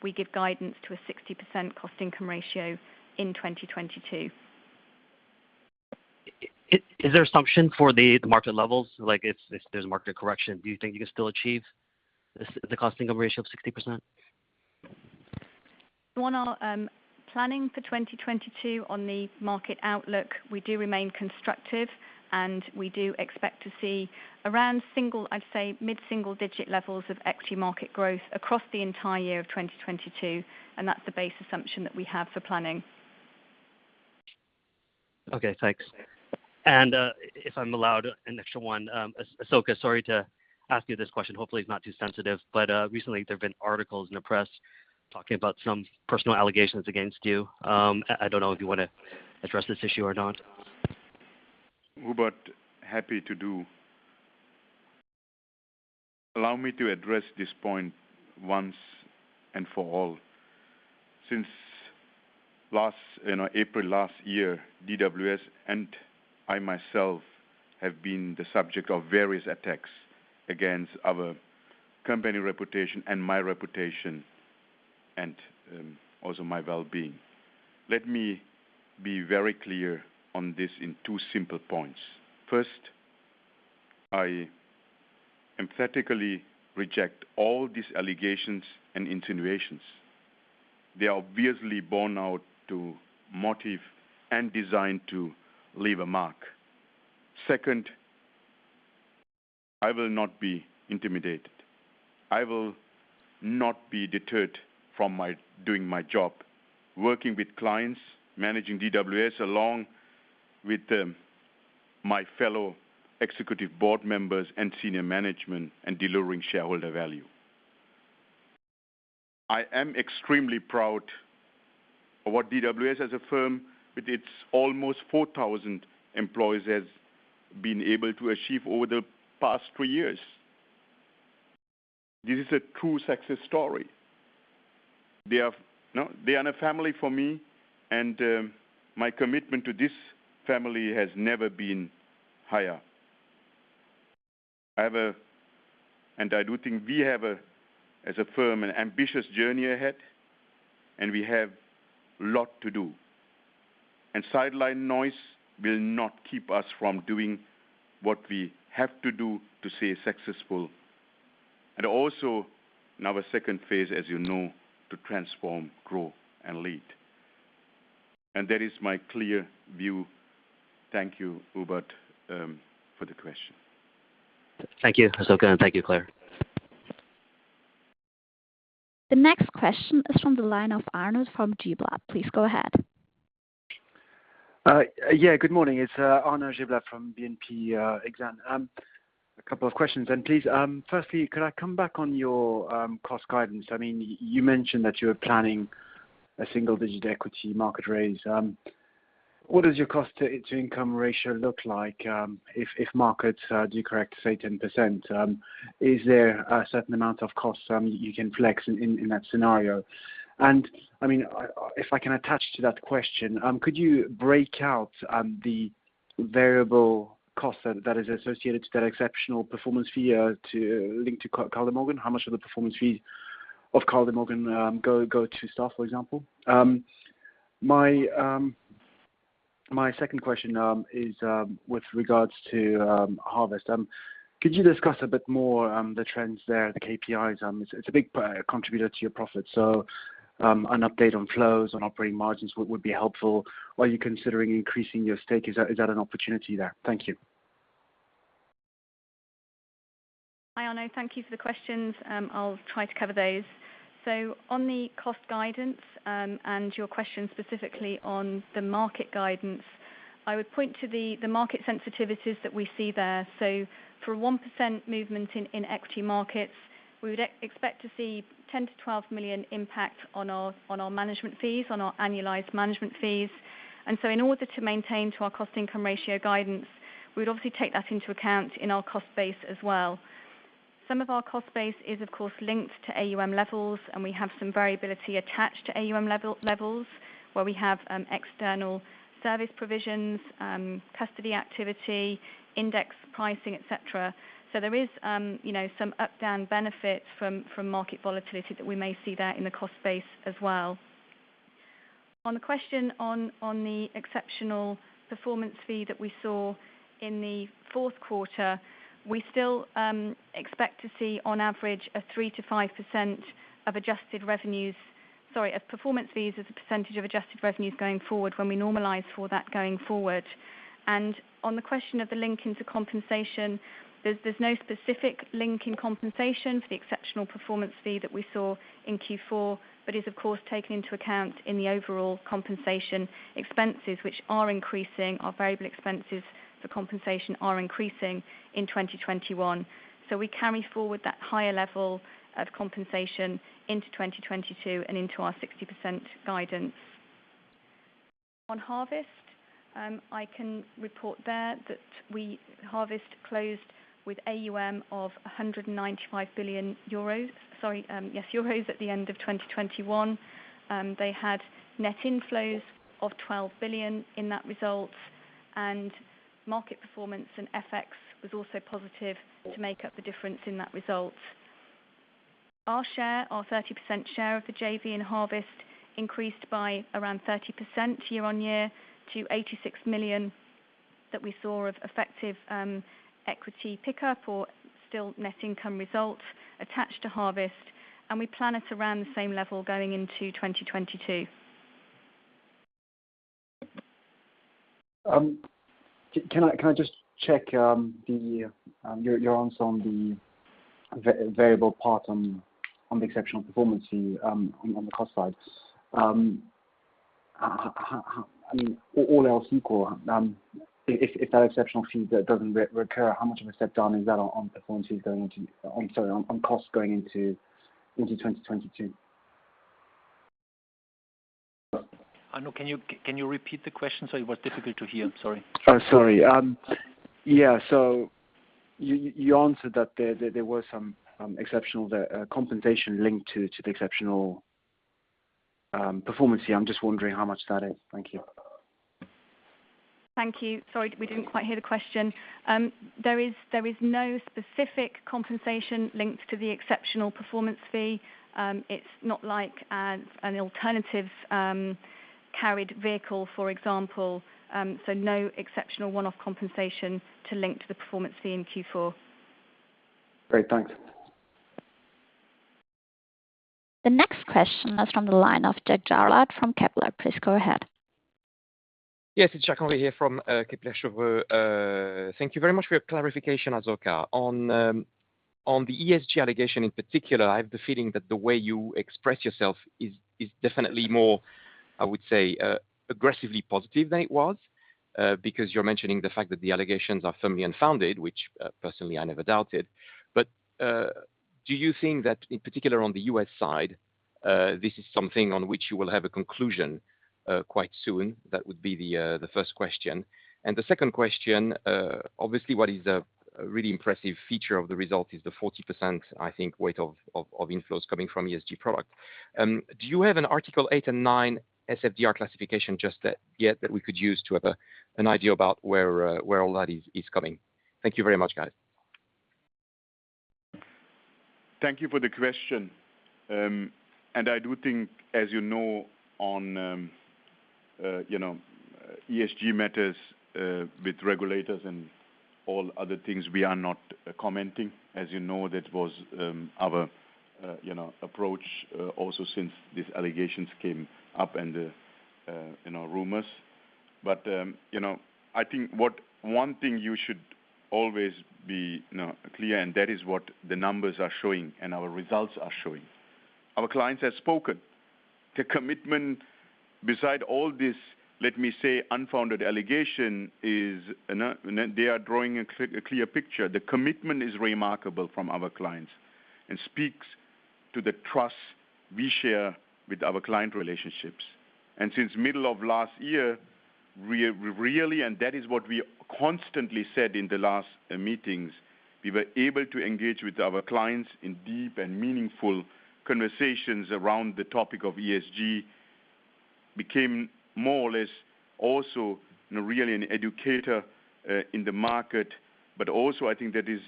we give guidance to a 60% cost-income ratio in 2022. Is there assumption for the market levels? Like if there's market correction, do you think you can still achieve this, the cost-income ratio of 60%? On our planning for 2022 on the market outlook, we do remain constructive, and we do expect to see around single, I'd say mid-single-digit levels of equity market growth across the entire year of 2022, and that's the base assumption that we have for planning. Okay, thanks. If I'm allowed an extra one, Asoka, sorry to ask you this question. Hopefully it's not too sensitive, but recently there have been articles in the press talking about some personal allegations against you. I don't know if you wanna address this issue or not. Hubert, happy to do. Allow me to address this point once and for all. Since last April last year, you know, DWS and I myself have been the subject of various attacks against our company reputation and my reputation and also my wellbeing. Let me be very clear on this in two simple points. First, I emphatically reject all these allegations and insinuations. They are obviously born out of motive and designed to leave a mark. Second, I will not be intimidated. I will not be deterred from doing my job, working with clients, managing DWS along with my fellow executive board members and senior management, and delivering shareholder value. I am extremely proud of what DWS as a firm with its almost 4,000 employees has been able to achieve over the past two years. This is a true success story. They are, you know, they are a family for me, and my commitment to this family has never been higher. I do think we have a, as a firm, an ambitious journey ahead, and we have a lot to do. Sideline noise will not keep us from doing what we have to do to stay successful. Also in our second phase, as you know, to transform, grow, and lead. That is my clear view. Thank you, Hubert, for the question. Thank you, Asoka, and thank you, Claire. The next question is from the line of Arnaud from Exane BNP Paribas. Please go ahead. Good morning. It's Arnaud Giblat from Exane BNP Paribas. A couple of questions then please. Firstly, could I come back on your cost guidance? I mean, you mentioned that you were planning a single-digit equity market raise. What does your cost-to-income ratio look like, if markets do correct, say, 10%? Is there a certain amount of costs you can flex in that scenario? I mean, if I can attach to that question, could you break out the variable cost that is associated to that exceptional performance fee, to link to Kaldemorgen? How much of the performance fees of Kaldemorgen go to staff, for example? My second question is with regards to Harvest. Could you discuss a bit more, the trends there, the KPIs? It's a big contributor to your profit, so, an update on flows, on operating margins would be helpful. Are you considering increasing your stake? Is that an opportunity there? Thank you. Hi, Arnaud. Thank you for the questions. I'll try to cover those. On the cost guidance, and your question specifically on the market guidance, I would point to the market sensitivities that we see there. For a 1% movement in equity markets, we would expect to see 10 million-12 million impact on our management fees, on our annualized management fees. In order to maintain to our cost income ratio guidance, we'd obviously take that into account in our cost base as well. Some of our cost base is of course linked to AUM levels, and we have some variability attached to AUM levels, where we have external service provisions, custody activity, index pricing, et cetera. There is, you know, some up/down benefits from market volatility that we may see there in the cost base as well. On the question on the exceptional performance fee that we saw in the fourth quarter, we still expect to see on average 3%-5% of adjusted revenues. Sorry, performance fees as a percentage of adjusted revenues going forward when we normalize for that going forward. On the question of the link into compensation, there's no specific link in compensation for the exceptional performance fee that we saw in Q4, but is of course taken into account in the overall compensation expenses which are increasing. Our variable expenses for compensation are increasing in 2021. We carry forward that higher level of compensation into 2022 and into our 60% guidance. On Harvest, I can report there that Harvest closed with AUM of 195 billion euros. Sorry, yes, euros at the end of 2021. They had net inflows of 12 billion in that result, and market performance and FX was also positive to make up the difference in that result. Our share, our 30% share of the JV in Harvest increased by around 30% year-on-year to 86 million that we saw of effective, equity pickup or still net income results attached to Harvest, and we plan at around the same level going into 2022. Can I just check your answer on the variable part on the exceptional performance fee on the cost side? How, I mean, all else equal, if that exceptional fee that doesn't reoccur, how much of a step down is that on costs going into 2022? Arnaud, can you repeat the question? Sorry, it was difficult to hear. Sorry. Oh, sorry. Yeah. You answered that there was some exceptional compensation linked to the exceptional performance fee. I'm just wondering how much that is. Thank you. Thank you. Sorry, we didn't quite hear the question. There is no specific compensation linked to the exceptional performance fee. It's not like an alternative carried vehicle, for example. No exceptional one-off compensation to link to the performance fee in Q4. Great. Thanks. The next question is from the line of Jacques-Henri Gaulard from Kepler Cheuvreux. Please go ahead. Yes, it's Jacques-Henri Gaulard here from Kepler Cheuvreux. Thank you very much for your clarification, Asoka Wöhrmann. On the ESG allegation in particular, I have the feeling that the way you express yourself is definitely more, I would say, aggressively positive than it was, because you're mentioning the fact that the allegations are firmly unfounded, which personally, I never doubted. Do you think that in particular on the U.S. side, this is something on which you will have a conclusion quite soon? That would be the first question. The second question, obviously, what is a really impressive feature of the result is the 40%, I think, weight of inflows coming from ESG product. Do you have an Article 8 and 9 SFDR classification just yet that we could use to have an idea about where all that is coming? Thank you very much, guys. Thank you for the question. I do think, as you know, on, you know, ESG matters, with regulators and all other things, we are not commenting. As you know, that was, our, you know, approach, also since these allegations came up and, you know, rumors. You know, I think what one thing you should always be, you know, clear, and that is what the numbers are showing and our results are showing. Our clients have spoken. The commitment beside all this, let me say, unfounded allegation is, they are drawing a clear picture. The commitment is remarkable from our clients and speaks to the trust we share with our client relationships. Since the middle of last year, really, and that is what we constantly said in the last meetings, we were able to engage with our clients in deep and meaningful conversations around the topic of ESG, became more or less also, you know, really an educator in the market. But also I think that is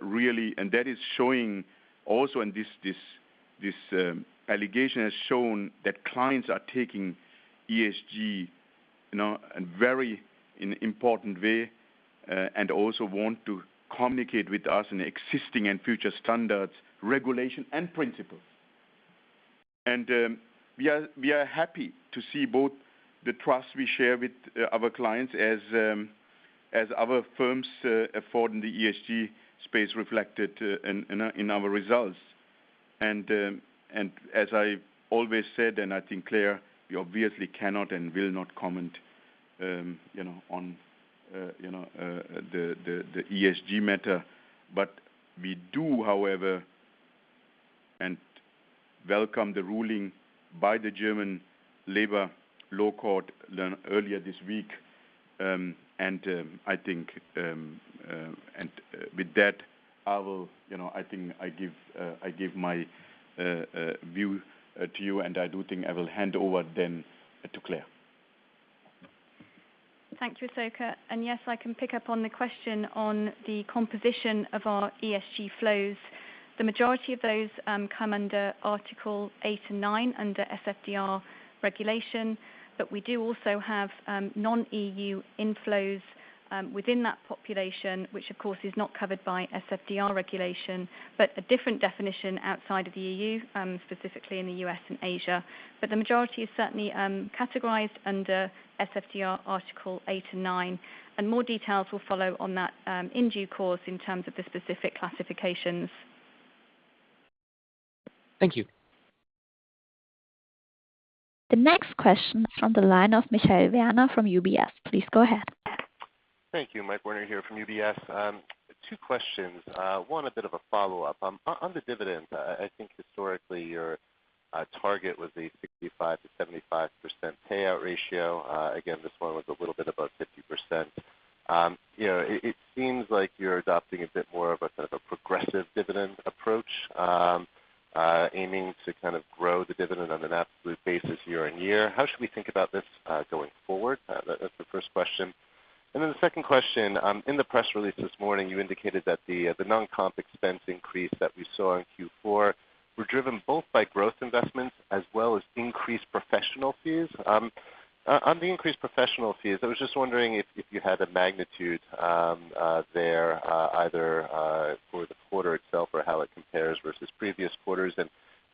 really, and that is showing also in this allegation has shown that clients are taking ESG, you know, in very important way, and also want to communicate with us in existing and future standards, regulation and principles. We are happy to see both the trust we share with our clients as other firms offer in the ESG space reflected in our results. As I always said, and I think, Claire, we obviously cannot and will not comment, you know, on, you know, the ESG matter. We do, however, welcome the ruling by the Federal Labour Court learned earlier this week. I think, and with that, I will, you know, I think, give my view to you, and I do think I will hand over then to Claire. Thank you, Asoka Wöhrmann. Yes, I can pick up on the question on the composition of our ESG flows. The majority of those come under Article 8 and 9 under SFDR regulation. We do also have non-EU inflows within that population, which of course is not covered by SFDR regulation, but a different definition outside of the EU, specifically in the U.S. and Asia. The majority is certainly categorized under SFDR Article 8 and 9. More details will follow on that in due course in terms of the specific classifications. Thank you. The next question from the line of Michael Werner from UBS. Please go ahead. Thank you. Michael Werner here from UBS. Two questions. One a bit of a follow-up. On the dividend, I think historically your target was a 65%-75% payout ratio. Again, this one was a little bit above 50%. You know, it seems like you're adopting a bit more of a kind of a progressive dividend approach, aiming to kind of grow the dividend on an absolute basis year-over-year. How should we think about this going forward? That's the first question. Then the second question, in the press release this morning, you indicated that the non-comp expense increase that we saw in Q4 were driven both by growth investments as well as increased professional fees. On the increased professional fees, I was just wondering if you had a magnitude there, either for the quarter itself or how it compares versus previous quarters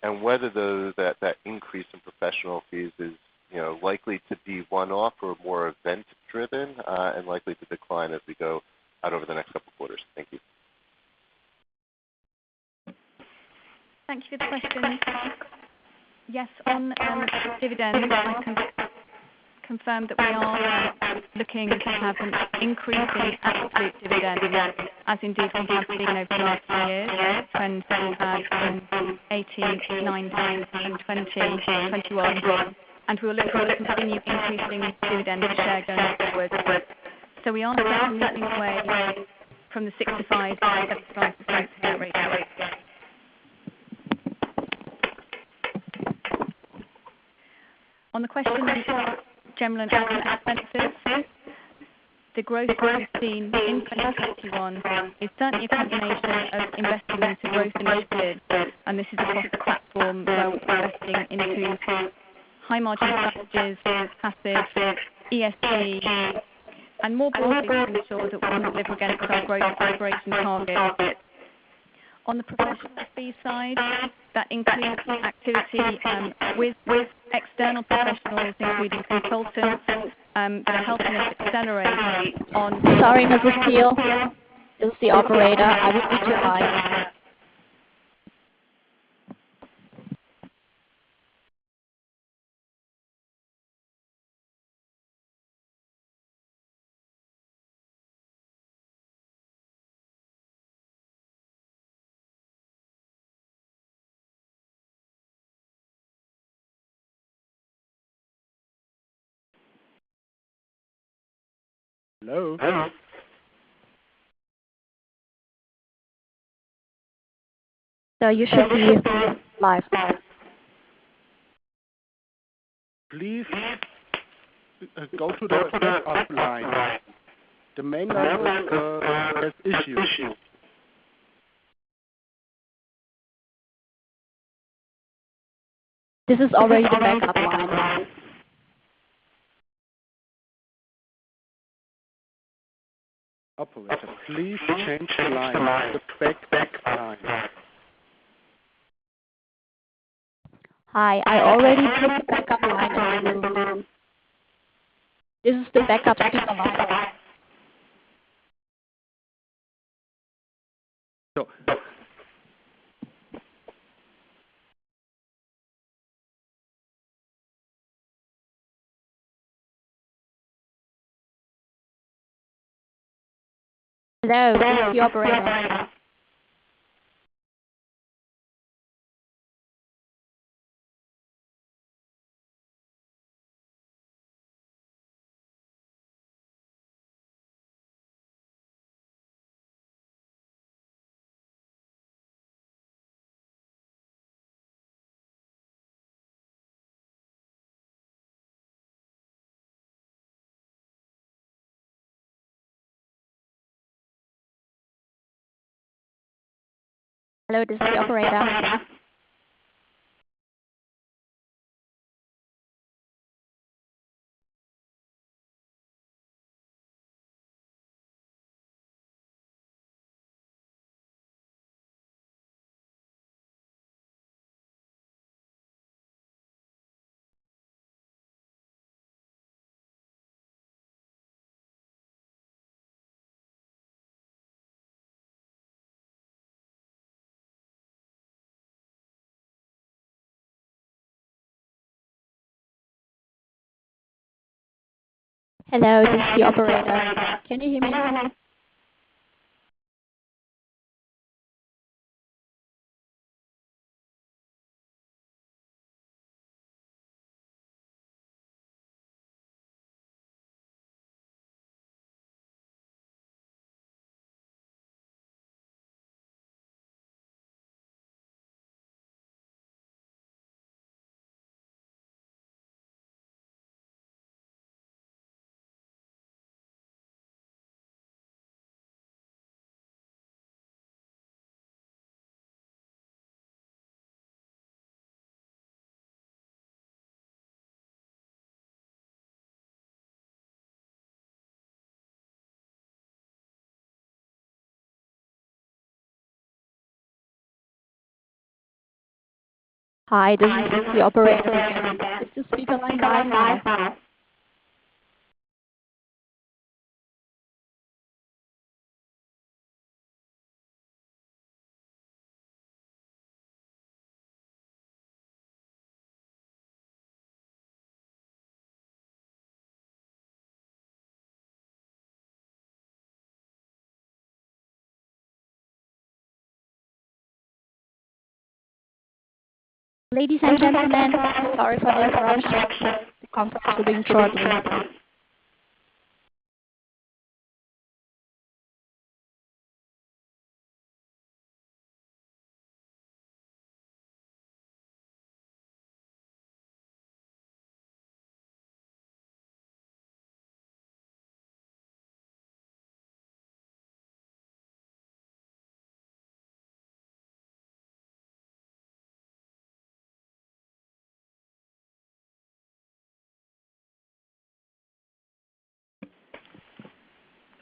and whether that increase in professional fees is, you know, likely to be one-off or more event driven, and likely to decline as we go out over the next couple quarters. Thank you. Thank you for the question, Michael. Yes, on dividends, I can confirm that we are looking to have an increase in absolute dividend, as indeed we have seen over the last few years when in 2018, 2019 and 2020, 2021. We will look to continue increasing dividend per share going forward. We are not looking away from the 65%-75% payout ratio. On the question before, general and admin expenses, the growth that we've seen in 2021 is certainly a combination of investing into growth initiatives, and this is across the platform where we're investing into high margin strategies, passive, ESG and more broadly to ensure that we can deliver against our growth and operation targets. On the professional fee side, that includes activity with external professionals, including consultants, helping us accelerate on- Sorry, Mrs. Peel. This is the operator. I will put you live. Hello? Sir, you should be live now. Please go to the backup line. The main line, uh, has issues. This is already the backup line. Operator, please change line to backup line.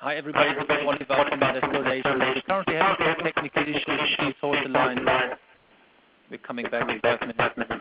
Hi, everybody. This is Oliver Flade from Investor Relations. We're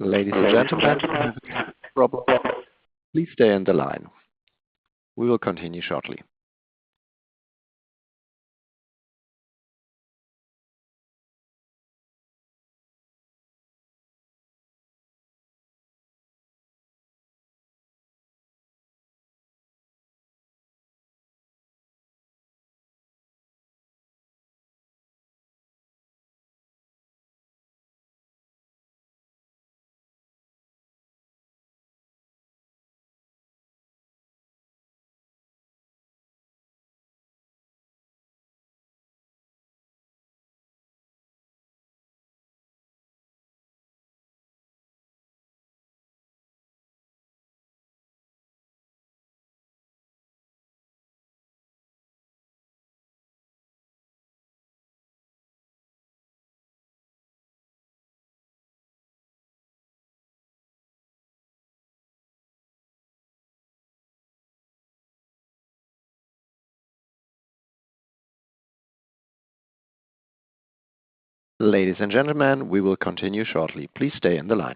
currently having some technical issues. Please hold the line. We'll be coming back with you in just a minute. Ladies and gentlemen, we will continue shortly. Please stay on the line.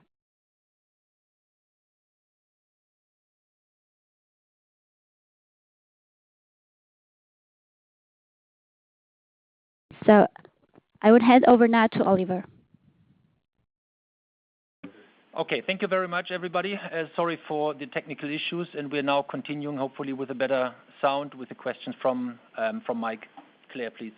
I would hand over now to Oliver. Okay. Thank you very much, everybody. Sorry for the technical issues. We are now continuing, hopefully with a better sound with the questions from Mike. Claire, please.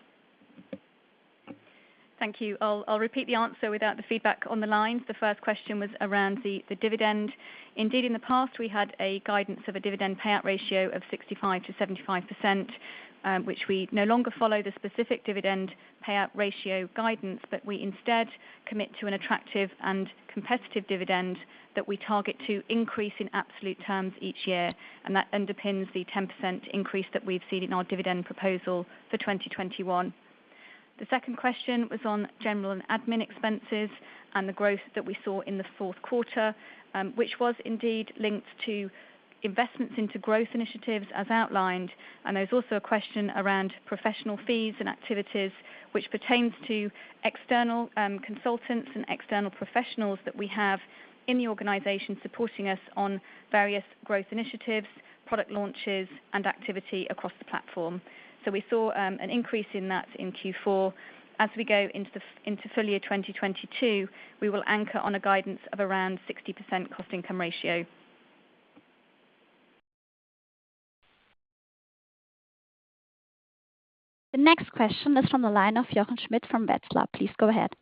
I'll repeat the answer without the feedback on the lines. The first question was around the dividend. Indeed, in the past, we had a guidance of a dividend payout ratio of 65%-75%, which we no longer follow the specific dividend payout ratio guidance, but we instead commit to an attractive and competitive dividend that we target to increase in absolute terms each year. That underpins the 10% increase that we've seen in our dividend proposal for 2021. The second question was on general and admin expenses and the growth that we saw in the fourth quarter, which was indeed linked to investments into growth initiatives as outlined. There's also a question around professional fees and activities which pertains to external consultants and external professionals that we have in the organization, supporting us on various growth initiatives, product launches, and activity across the platform. We saw an increase in that in Q4. As we go into full year 2022, we will anchor on a guidance of around 60% cost income ratio. The next question is from the line of Jochen Schmitt from Metzler. Please go ahead.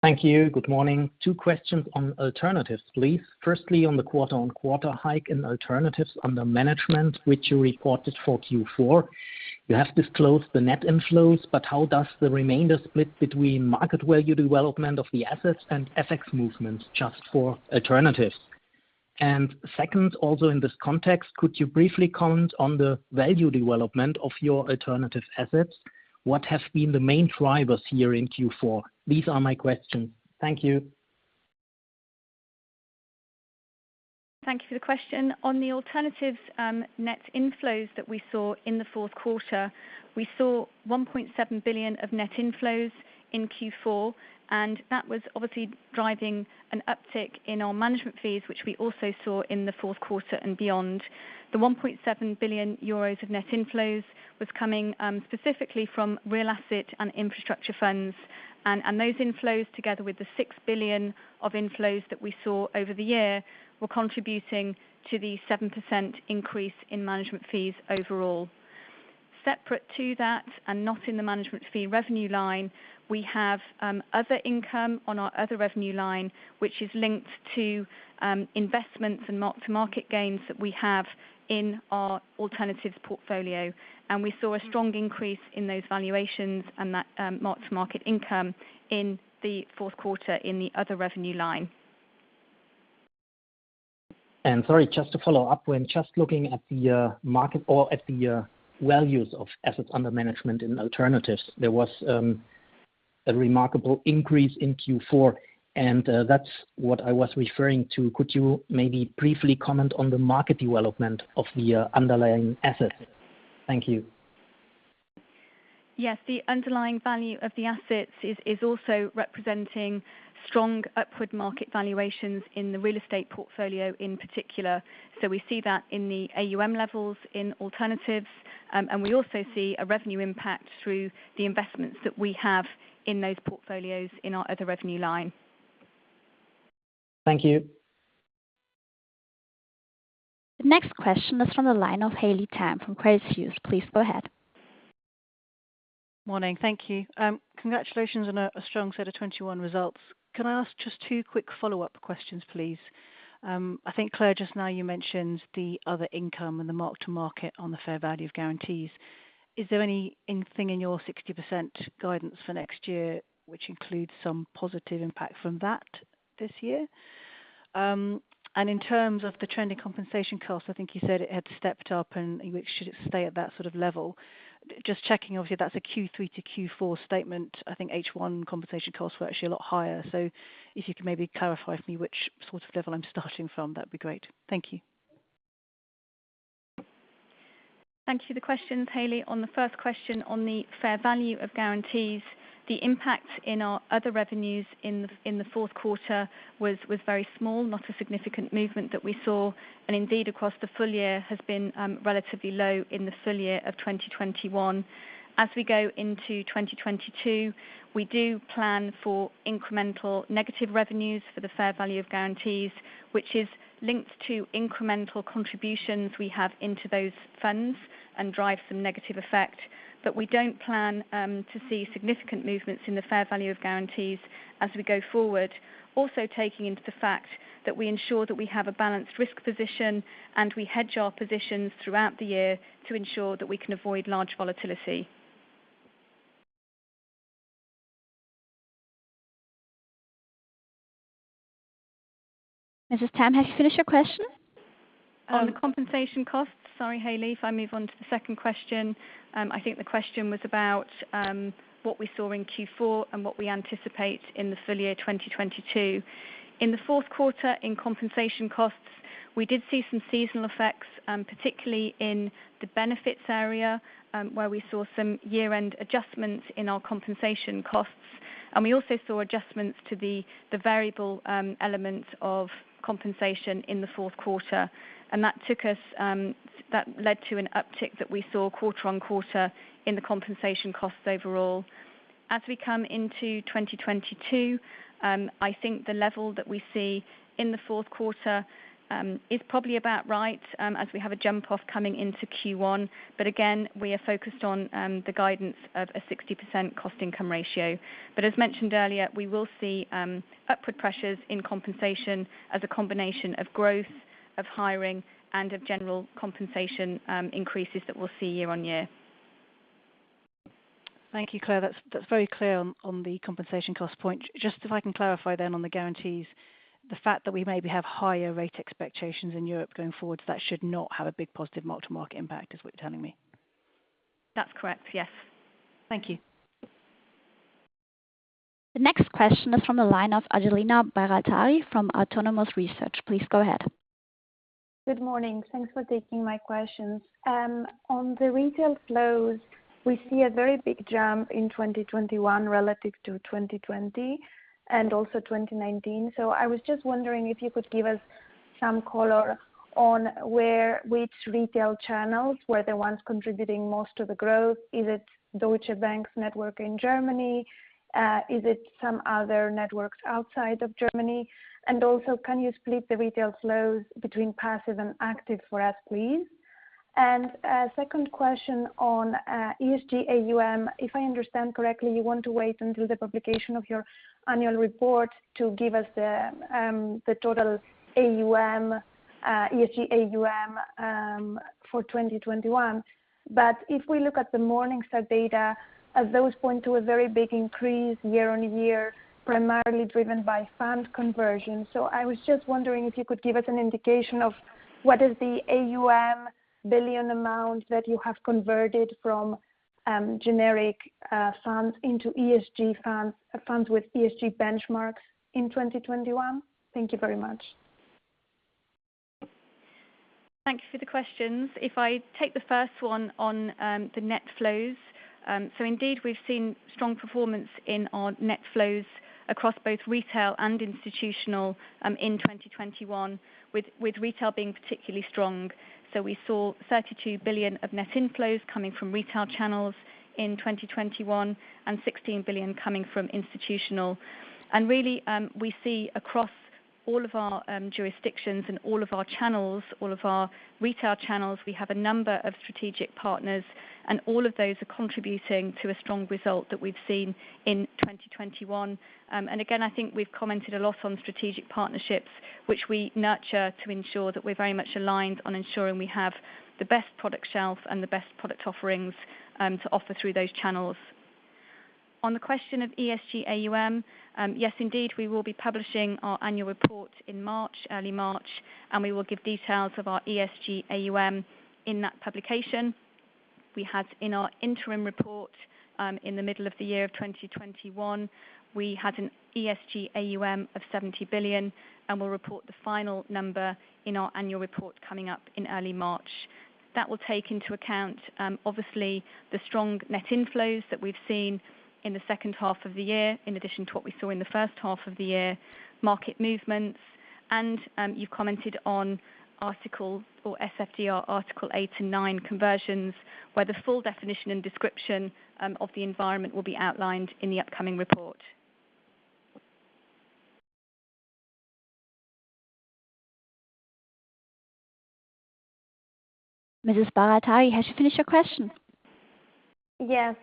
Thank you. Good morning. Two questions on alternatives, please. Firstly, on the quarter-on-quarter hike in alternatives under management, which you reported for Q4. You have disclosed the net inflows, but how does the remainder split between market value development of the assets and FX movements just for alternatives? Second, also in this context, could you briefly comment on the value development of your alternative assets? What has been the main drivers here in Q4? These are my questions. Thank you. Thank you for the question. On the alternatives, net inflows that we saw in the fourth quarter, we saw 1.7 billion of net inflows in Q4, and that was obviously driving an uptick in our management fees, which we also saw in the fourth quarter and beyond. The 1.7 billion euros of net inflows was coming specifically from real asset and infrastructure funds. Those inflows, together with the 6 billion of inflows that we saw over the year, were contributing to the 7% increase in management fees overall. Separate to that, and not in the management fee revenue line, we have other income on our other revenue line, which is linked to investments and mark-to-market gains that we have in our alternatives portfolio. We saw a strong increase in those valuations and that mark-to-market income in the fourth quarter in the other revenue line. Sorry, just to follow up. When just looking at the market or at the values of assets under management in alternatives, there was a remarkable increase in Q4, and that's what I was referring to. Could you maybe briefly comment on the market development of the underlying assets? Thank you. Yes. The underlying value of the assets is also representing strong upward market valuations in the real estate portfolio in particular. We see that in the AUM levels in alternatives, and we also see a revenue impact through the investments that we have in those portfolios in our other revenue line. Thank you. The next question is from the line of Haley Tam from Credit Suisse. Please go ahead. Morning. Thank you. Congratulations on a strong set of 2021 results. Can I ask just two quick follow-up questions, please? I think, Claire, just now, you mentioned the other income and the mark-to-market on the fair value of guarantees. Is there anything in your 60% guidance for next year which includes some positive impact from that this year? In terms of the trending compensation cost, I think you said it had stepped up and should it stay at that sort of level? Just checking. Obviously, that's a Q3 to Q4 statement. I think H1 compensation costs were actually a lot higher. If you could maybe clarify for me which sort of level I'm starting from, that'd be great. Thank you. Thank you. The question, Haley, on the first question on the fair value of guarantees, the impact in our other revenues in the fourth quarter was very small, not a significant movement that we saw and indeed across the full year has been relatively low in the full year of 2021. As we go into 2022, we do plan for incremental negative revenues for the fair value of guarantees, which is linked to incremental contributions we have into those funds and drive some negative effect. We don't plan to see significant movements in the fair value of guarantees as we go forward. Also taking into the fact that we ensure that we have a balanced risk position, and we hedge our positions throughout the year to ensure that we can avoid large volatility. Mrs. Tam, have you finished your question? On the compensation costs. Sorry, Haley, if I move on to the second question. I think the question was about what we saw in Q4 and what we anticipate in the full year 2022. In the fourth quarter in compensation costs, we did see some seasonal effects, particularly in the benefits area, where we saw some year-end adjustments in our compensation costs. We also saw adjustments to the variable elements of compensation in the fourth quarter. That led to an uptick that we saw quarter-on-quarter in the compensation costs overall. As we come into 2022, I think the level that we see in the fourth quarter is probably about right, as we have a jump off coming into Q1. Again, we are focused on the guidance of a 60% cost-income ratio. As mentioned earlier, we will see upward pressures in compensation as a combination of growth, of hiring, and of general compensation increases that we'll see year on year. Thank you, Claire. That's very clear on the compensation cost point. Just if I can clarify then on the guarantees, the fact that we maybe have higher rate expectations in Europe going forward, that should not have a big positive multi-market impact, is what you're telling me. That's correct. Yes. Thank you. The next question is from the line of Angeliki Bairaktari from Autonomous Research. Please go ahead. Good morning. Thanks for taking my questions. On the retail flows, we see a very big jump in 2021 relative to 2020, and also 2019. I was just wondering if you could give us some color on which retail channels were the ones contributing most to the growth. Is it Deutsche Bank's network in Germany? Is it some other networks outside of Germany? Also, can you split the retail flows between passive and active for us, please? A second question on ESG AUM. If I understand correctly, you want to wait until the publication of your annual report to give us the total AUM, ESG AUM, for 2021. But if we look at the Morningstar data, as those point to a very big increase year-over-year, primarily driven by fund conversion. I was just wondering if you could give us an indication of what is the AUM billion amount that you have converted from generic funds into ESG funds with ESG benchmarks in 2021. Thank you very much. Thank you for the questions. If I take the first one on, the net flows. Indeed, we've seen strong performance in our net flows across both retail and institutional, in 2021, with retail being particularly strong. We saw 32 billion of net inflows coming from retail channels in 2021, and 16 billion coming from institutional. Really, we see across all of our jurisdictions and all of our channels, all of our retail channels, we have a number of strategic partners, and all of those are contributing to a strong result that we've seen in 2021. Again, I think we've commented a lot on strategic partnerships, which we nurture to ensure that we're very much aligned on ensuring we have the best product shelf and the best product offerings, to offer through those channels. On the question of ESG AUM, yes, indeed, we will be publishing our annual report in March, early March, and we will give details of our ESG AUM in that publication. We had in our interim report, in the middle of the year of 2021, we had an ESG AUM of 70 billion, and we'll report the final number in our annual report coming up in early March. That will take into account, obviously, the strong net inflows that we've seen in the second half of the year, in addition to what we saw in the first half of the year, market movements, and, you commented on Article 8 or SFDR Article 8 and 9 conversions, where the full definition and description, of the environment will be outlined in the upcoming report. Mrs. Bairaktari, have you finished your question? Yes.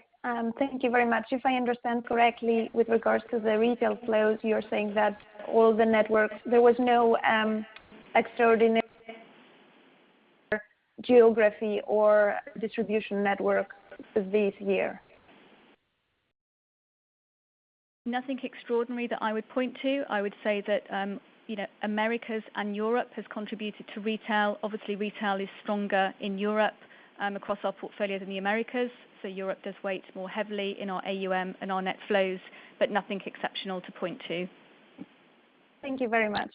Thank you very much. If I understand correctly, with regards to the retail flows, you're saying that all the networks, there was no extraordinary geography or distribution network for this year? Nothing extraordinary that I would point to. I would say that, you know, Americas and Europe has contributed to retail. Obviously, retail is stronger in Europe, across our portfolio than the Americas. So Europe does weigh more heavily in our AUM and our net flows, but nothing exceptional to point to. Thank you very much.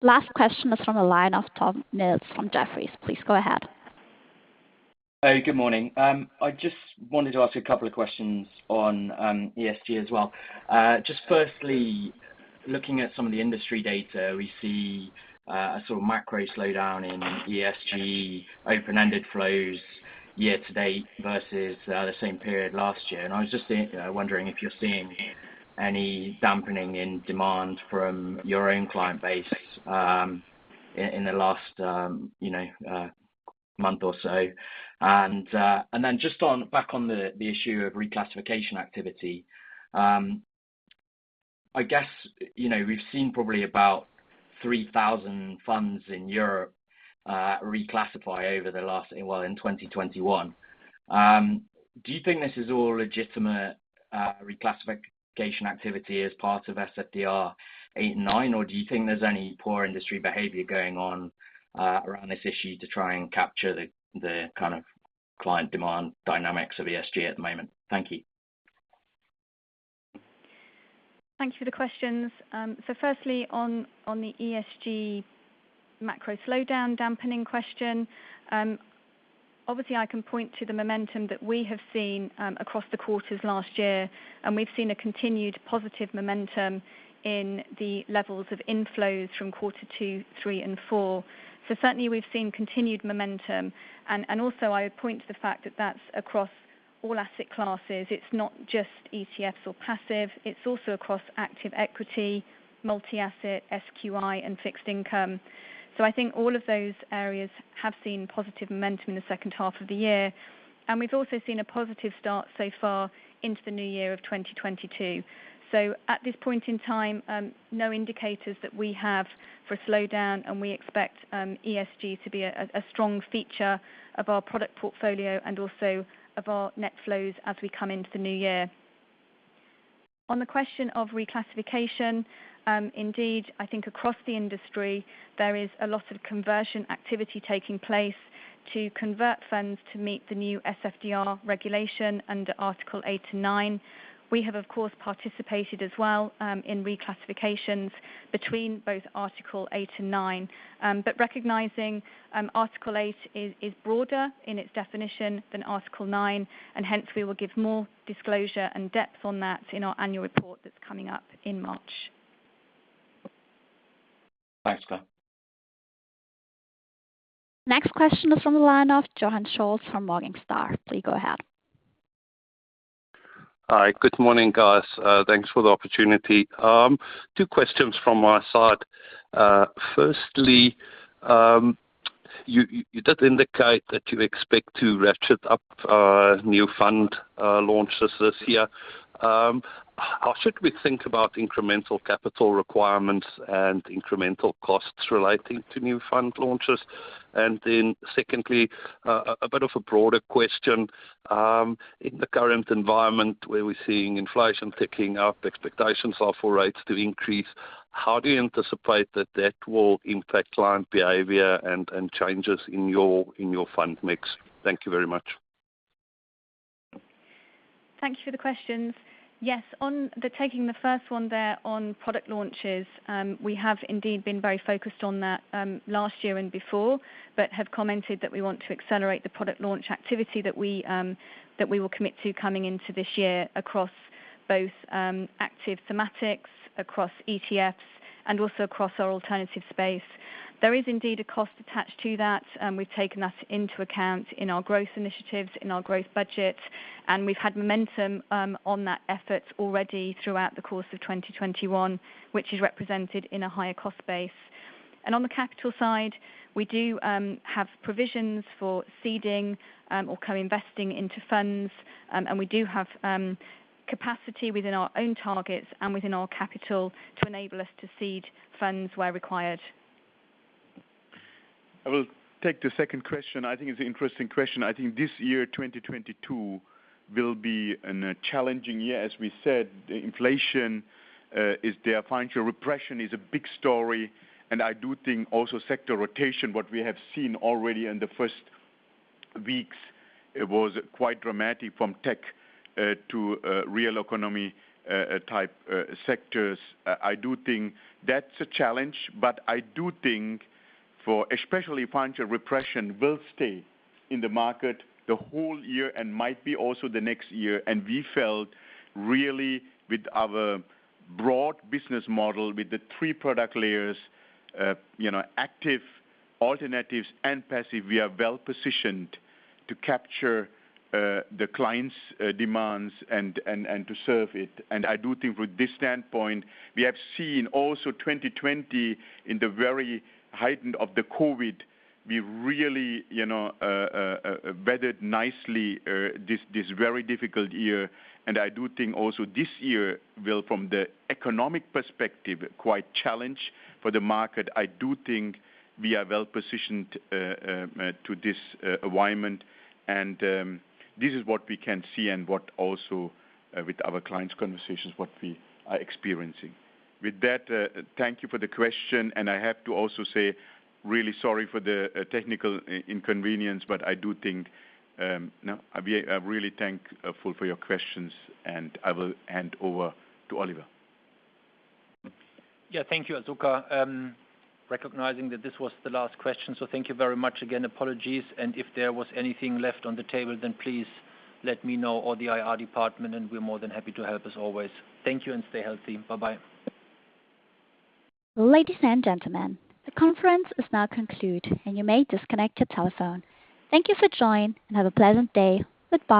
Last question is from the line of Tom Mills from Jefferies. Please go ahead. Hey, good morning. I just wanted to ask a couple of questions on ESG as well. Just firstly, looking at some of the industry data, we see a sort of macro slowdown in ESG open-ended flows year to date versus the same period last year. I was just wondering if you're seeing any dampening in demand from your own client base in the last you know month or so. Just back on the issue of reclassification activity, I guess you know we've seen probably about 3,000 funds in Europe reclassify in 2021. Do you think this is all legitimate reclassification activity as part of SFDR 8 and 9? Do you think there's any poor industry behavior going on around this issue to try and capture the kind of client demand dynamics of ESG at the moment? Thank you. Thank you for the questions. So firstly, on the ESG macro slowdown dampening question, obviously I can point to the momentum that we have seen across the quarters last year, and we've seen a continued positive momentum in the levels of inflows from quarter two, three and four. Certainly we've seen continued momentum and also I would point to the fact that that's across all asset classes. It's not just ETFs or passive, it's also across active equity, multi-asset, SQI and fixed income. So I think all of those areas have seen positive momentum in the second half of the year. We've also seen a positive start so far into the new year of 2022. At this point in time, no indicators that we have for a slowdown, and we expect ESG to be a strong feature of our product portfolio and also of our net flows as we come into the new year. On the question of reclassification, indeed, I think across the industry there is a lot of conversion activity taking place to convert funds to meet the new SFDR regulation under Article 8 and 9. We have of course participated as well in reclassifications between both Article 8 and 9. Recognizing Article 8 is broader in its definition than Article 9, and hence we will give more disclosure and depth on that in our annual report that's coming up in March. Thanks. Next question is from the line of Johann Scholtz from Morningstar. Please go ahead. All right. Good morning, guys. Thanks for the opportunity. Two questions from my side. Firstly, you did indicate that you expect to ratchet up new fund launches this year. How should we think about incremental capital requirements and incremental costs relating to new fund launches? Secondly, a bit of a broader question. In the current environment where we're seeing inflation ticking up, expectations are for rates to increase. How do you anticipate that will impact client behavior and changes in your fund mix? Thank you very much. Thank you for the questions. Yes. Taking the first one there on product launches, we have indeed been very focused on that last year and before, but have commented that we want to accelerate the product launch activity that we will commit to coming into this year across both active thematics, across ETFs and also across our alternative space. There is indeed a cost attached to that, and we've taken that into account in our growth initiatives, in our growth budget, and we've had momentum on that effort already throughout the course of 2021, which is represented in a higher cost base. On the capital side, we do have provisions for seeding or co-investing into funds, and we do have capacity within our own targets and within our capital to enable us to seed funds where required. I will take the second question. I think it's an interesting question. I think this year, 2022, will be a challenging year. As we said, inflation is there. Financial repression is a big story, and I do think also sector rotation, what we have seen already in the first weeks was quite dramatic from tech to real economy type sectors. I do think that's a challenge, but I do think for especially financial repression will stay in the market the whole year and might be also the next year. We felt really with our broad business model with the three product layers, you know, active alternatives and passive, we are well-positioned to capture the clients' demands and to serve it. I do think with this standpoint, we have seen also 2020 in the very height of the COVID, we really, you know, weathered nicely this very difficult year. I do think also this year will from the economic perspective, quite challenging for the market. I do think we are well-positioned to this alignment, and this is what we can see and what also with our clients conversations, what we are experiencing. With that, thank you for the question, and I have to also say really sorry for the technical inconvenience, but I do think, no, I'm really thankful for your questions, and I will hand over to Oliver. Yeah. Thank you, Asoka Wöhrmann. Recognizing that this was the last question, so thank you very much again, apologies. If there was anything left on the table, then please let me know or the IR department, and we're more than happy to help as always. Thank you and stay healthy. Bye-bye. Ladies and gentlemen, the conference is now concluded, and you may disconnect your telephone. Thank you for joining, and have a pleasant day. Goodbye.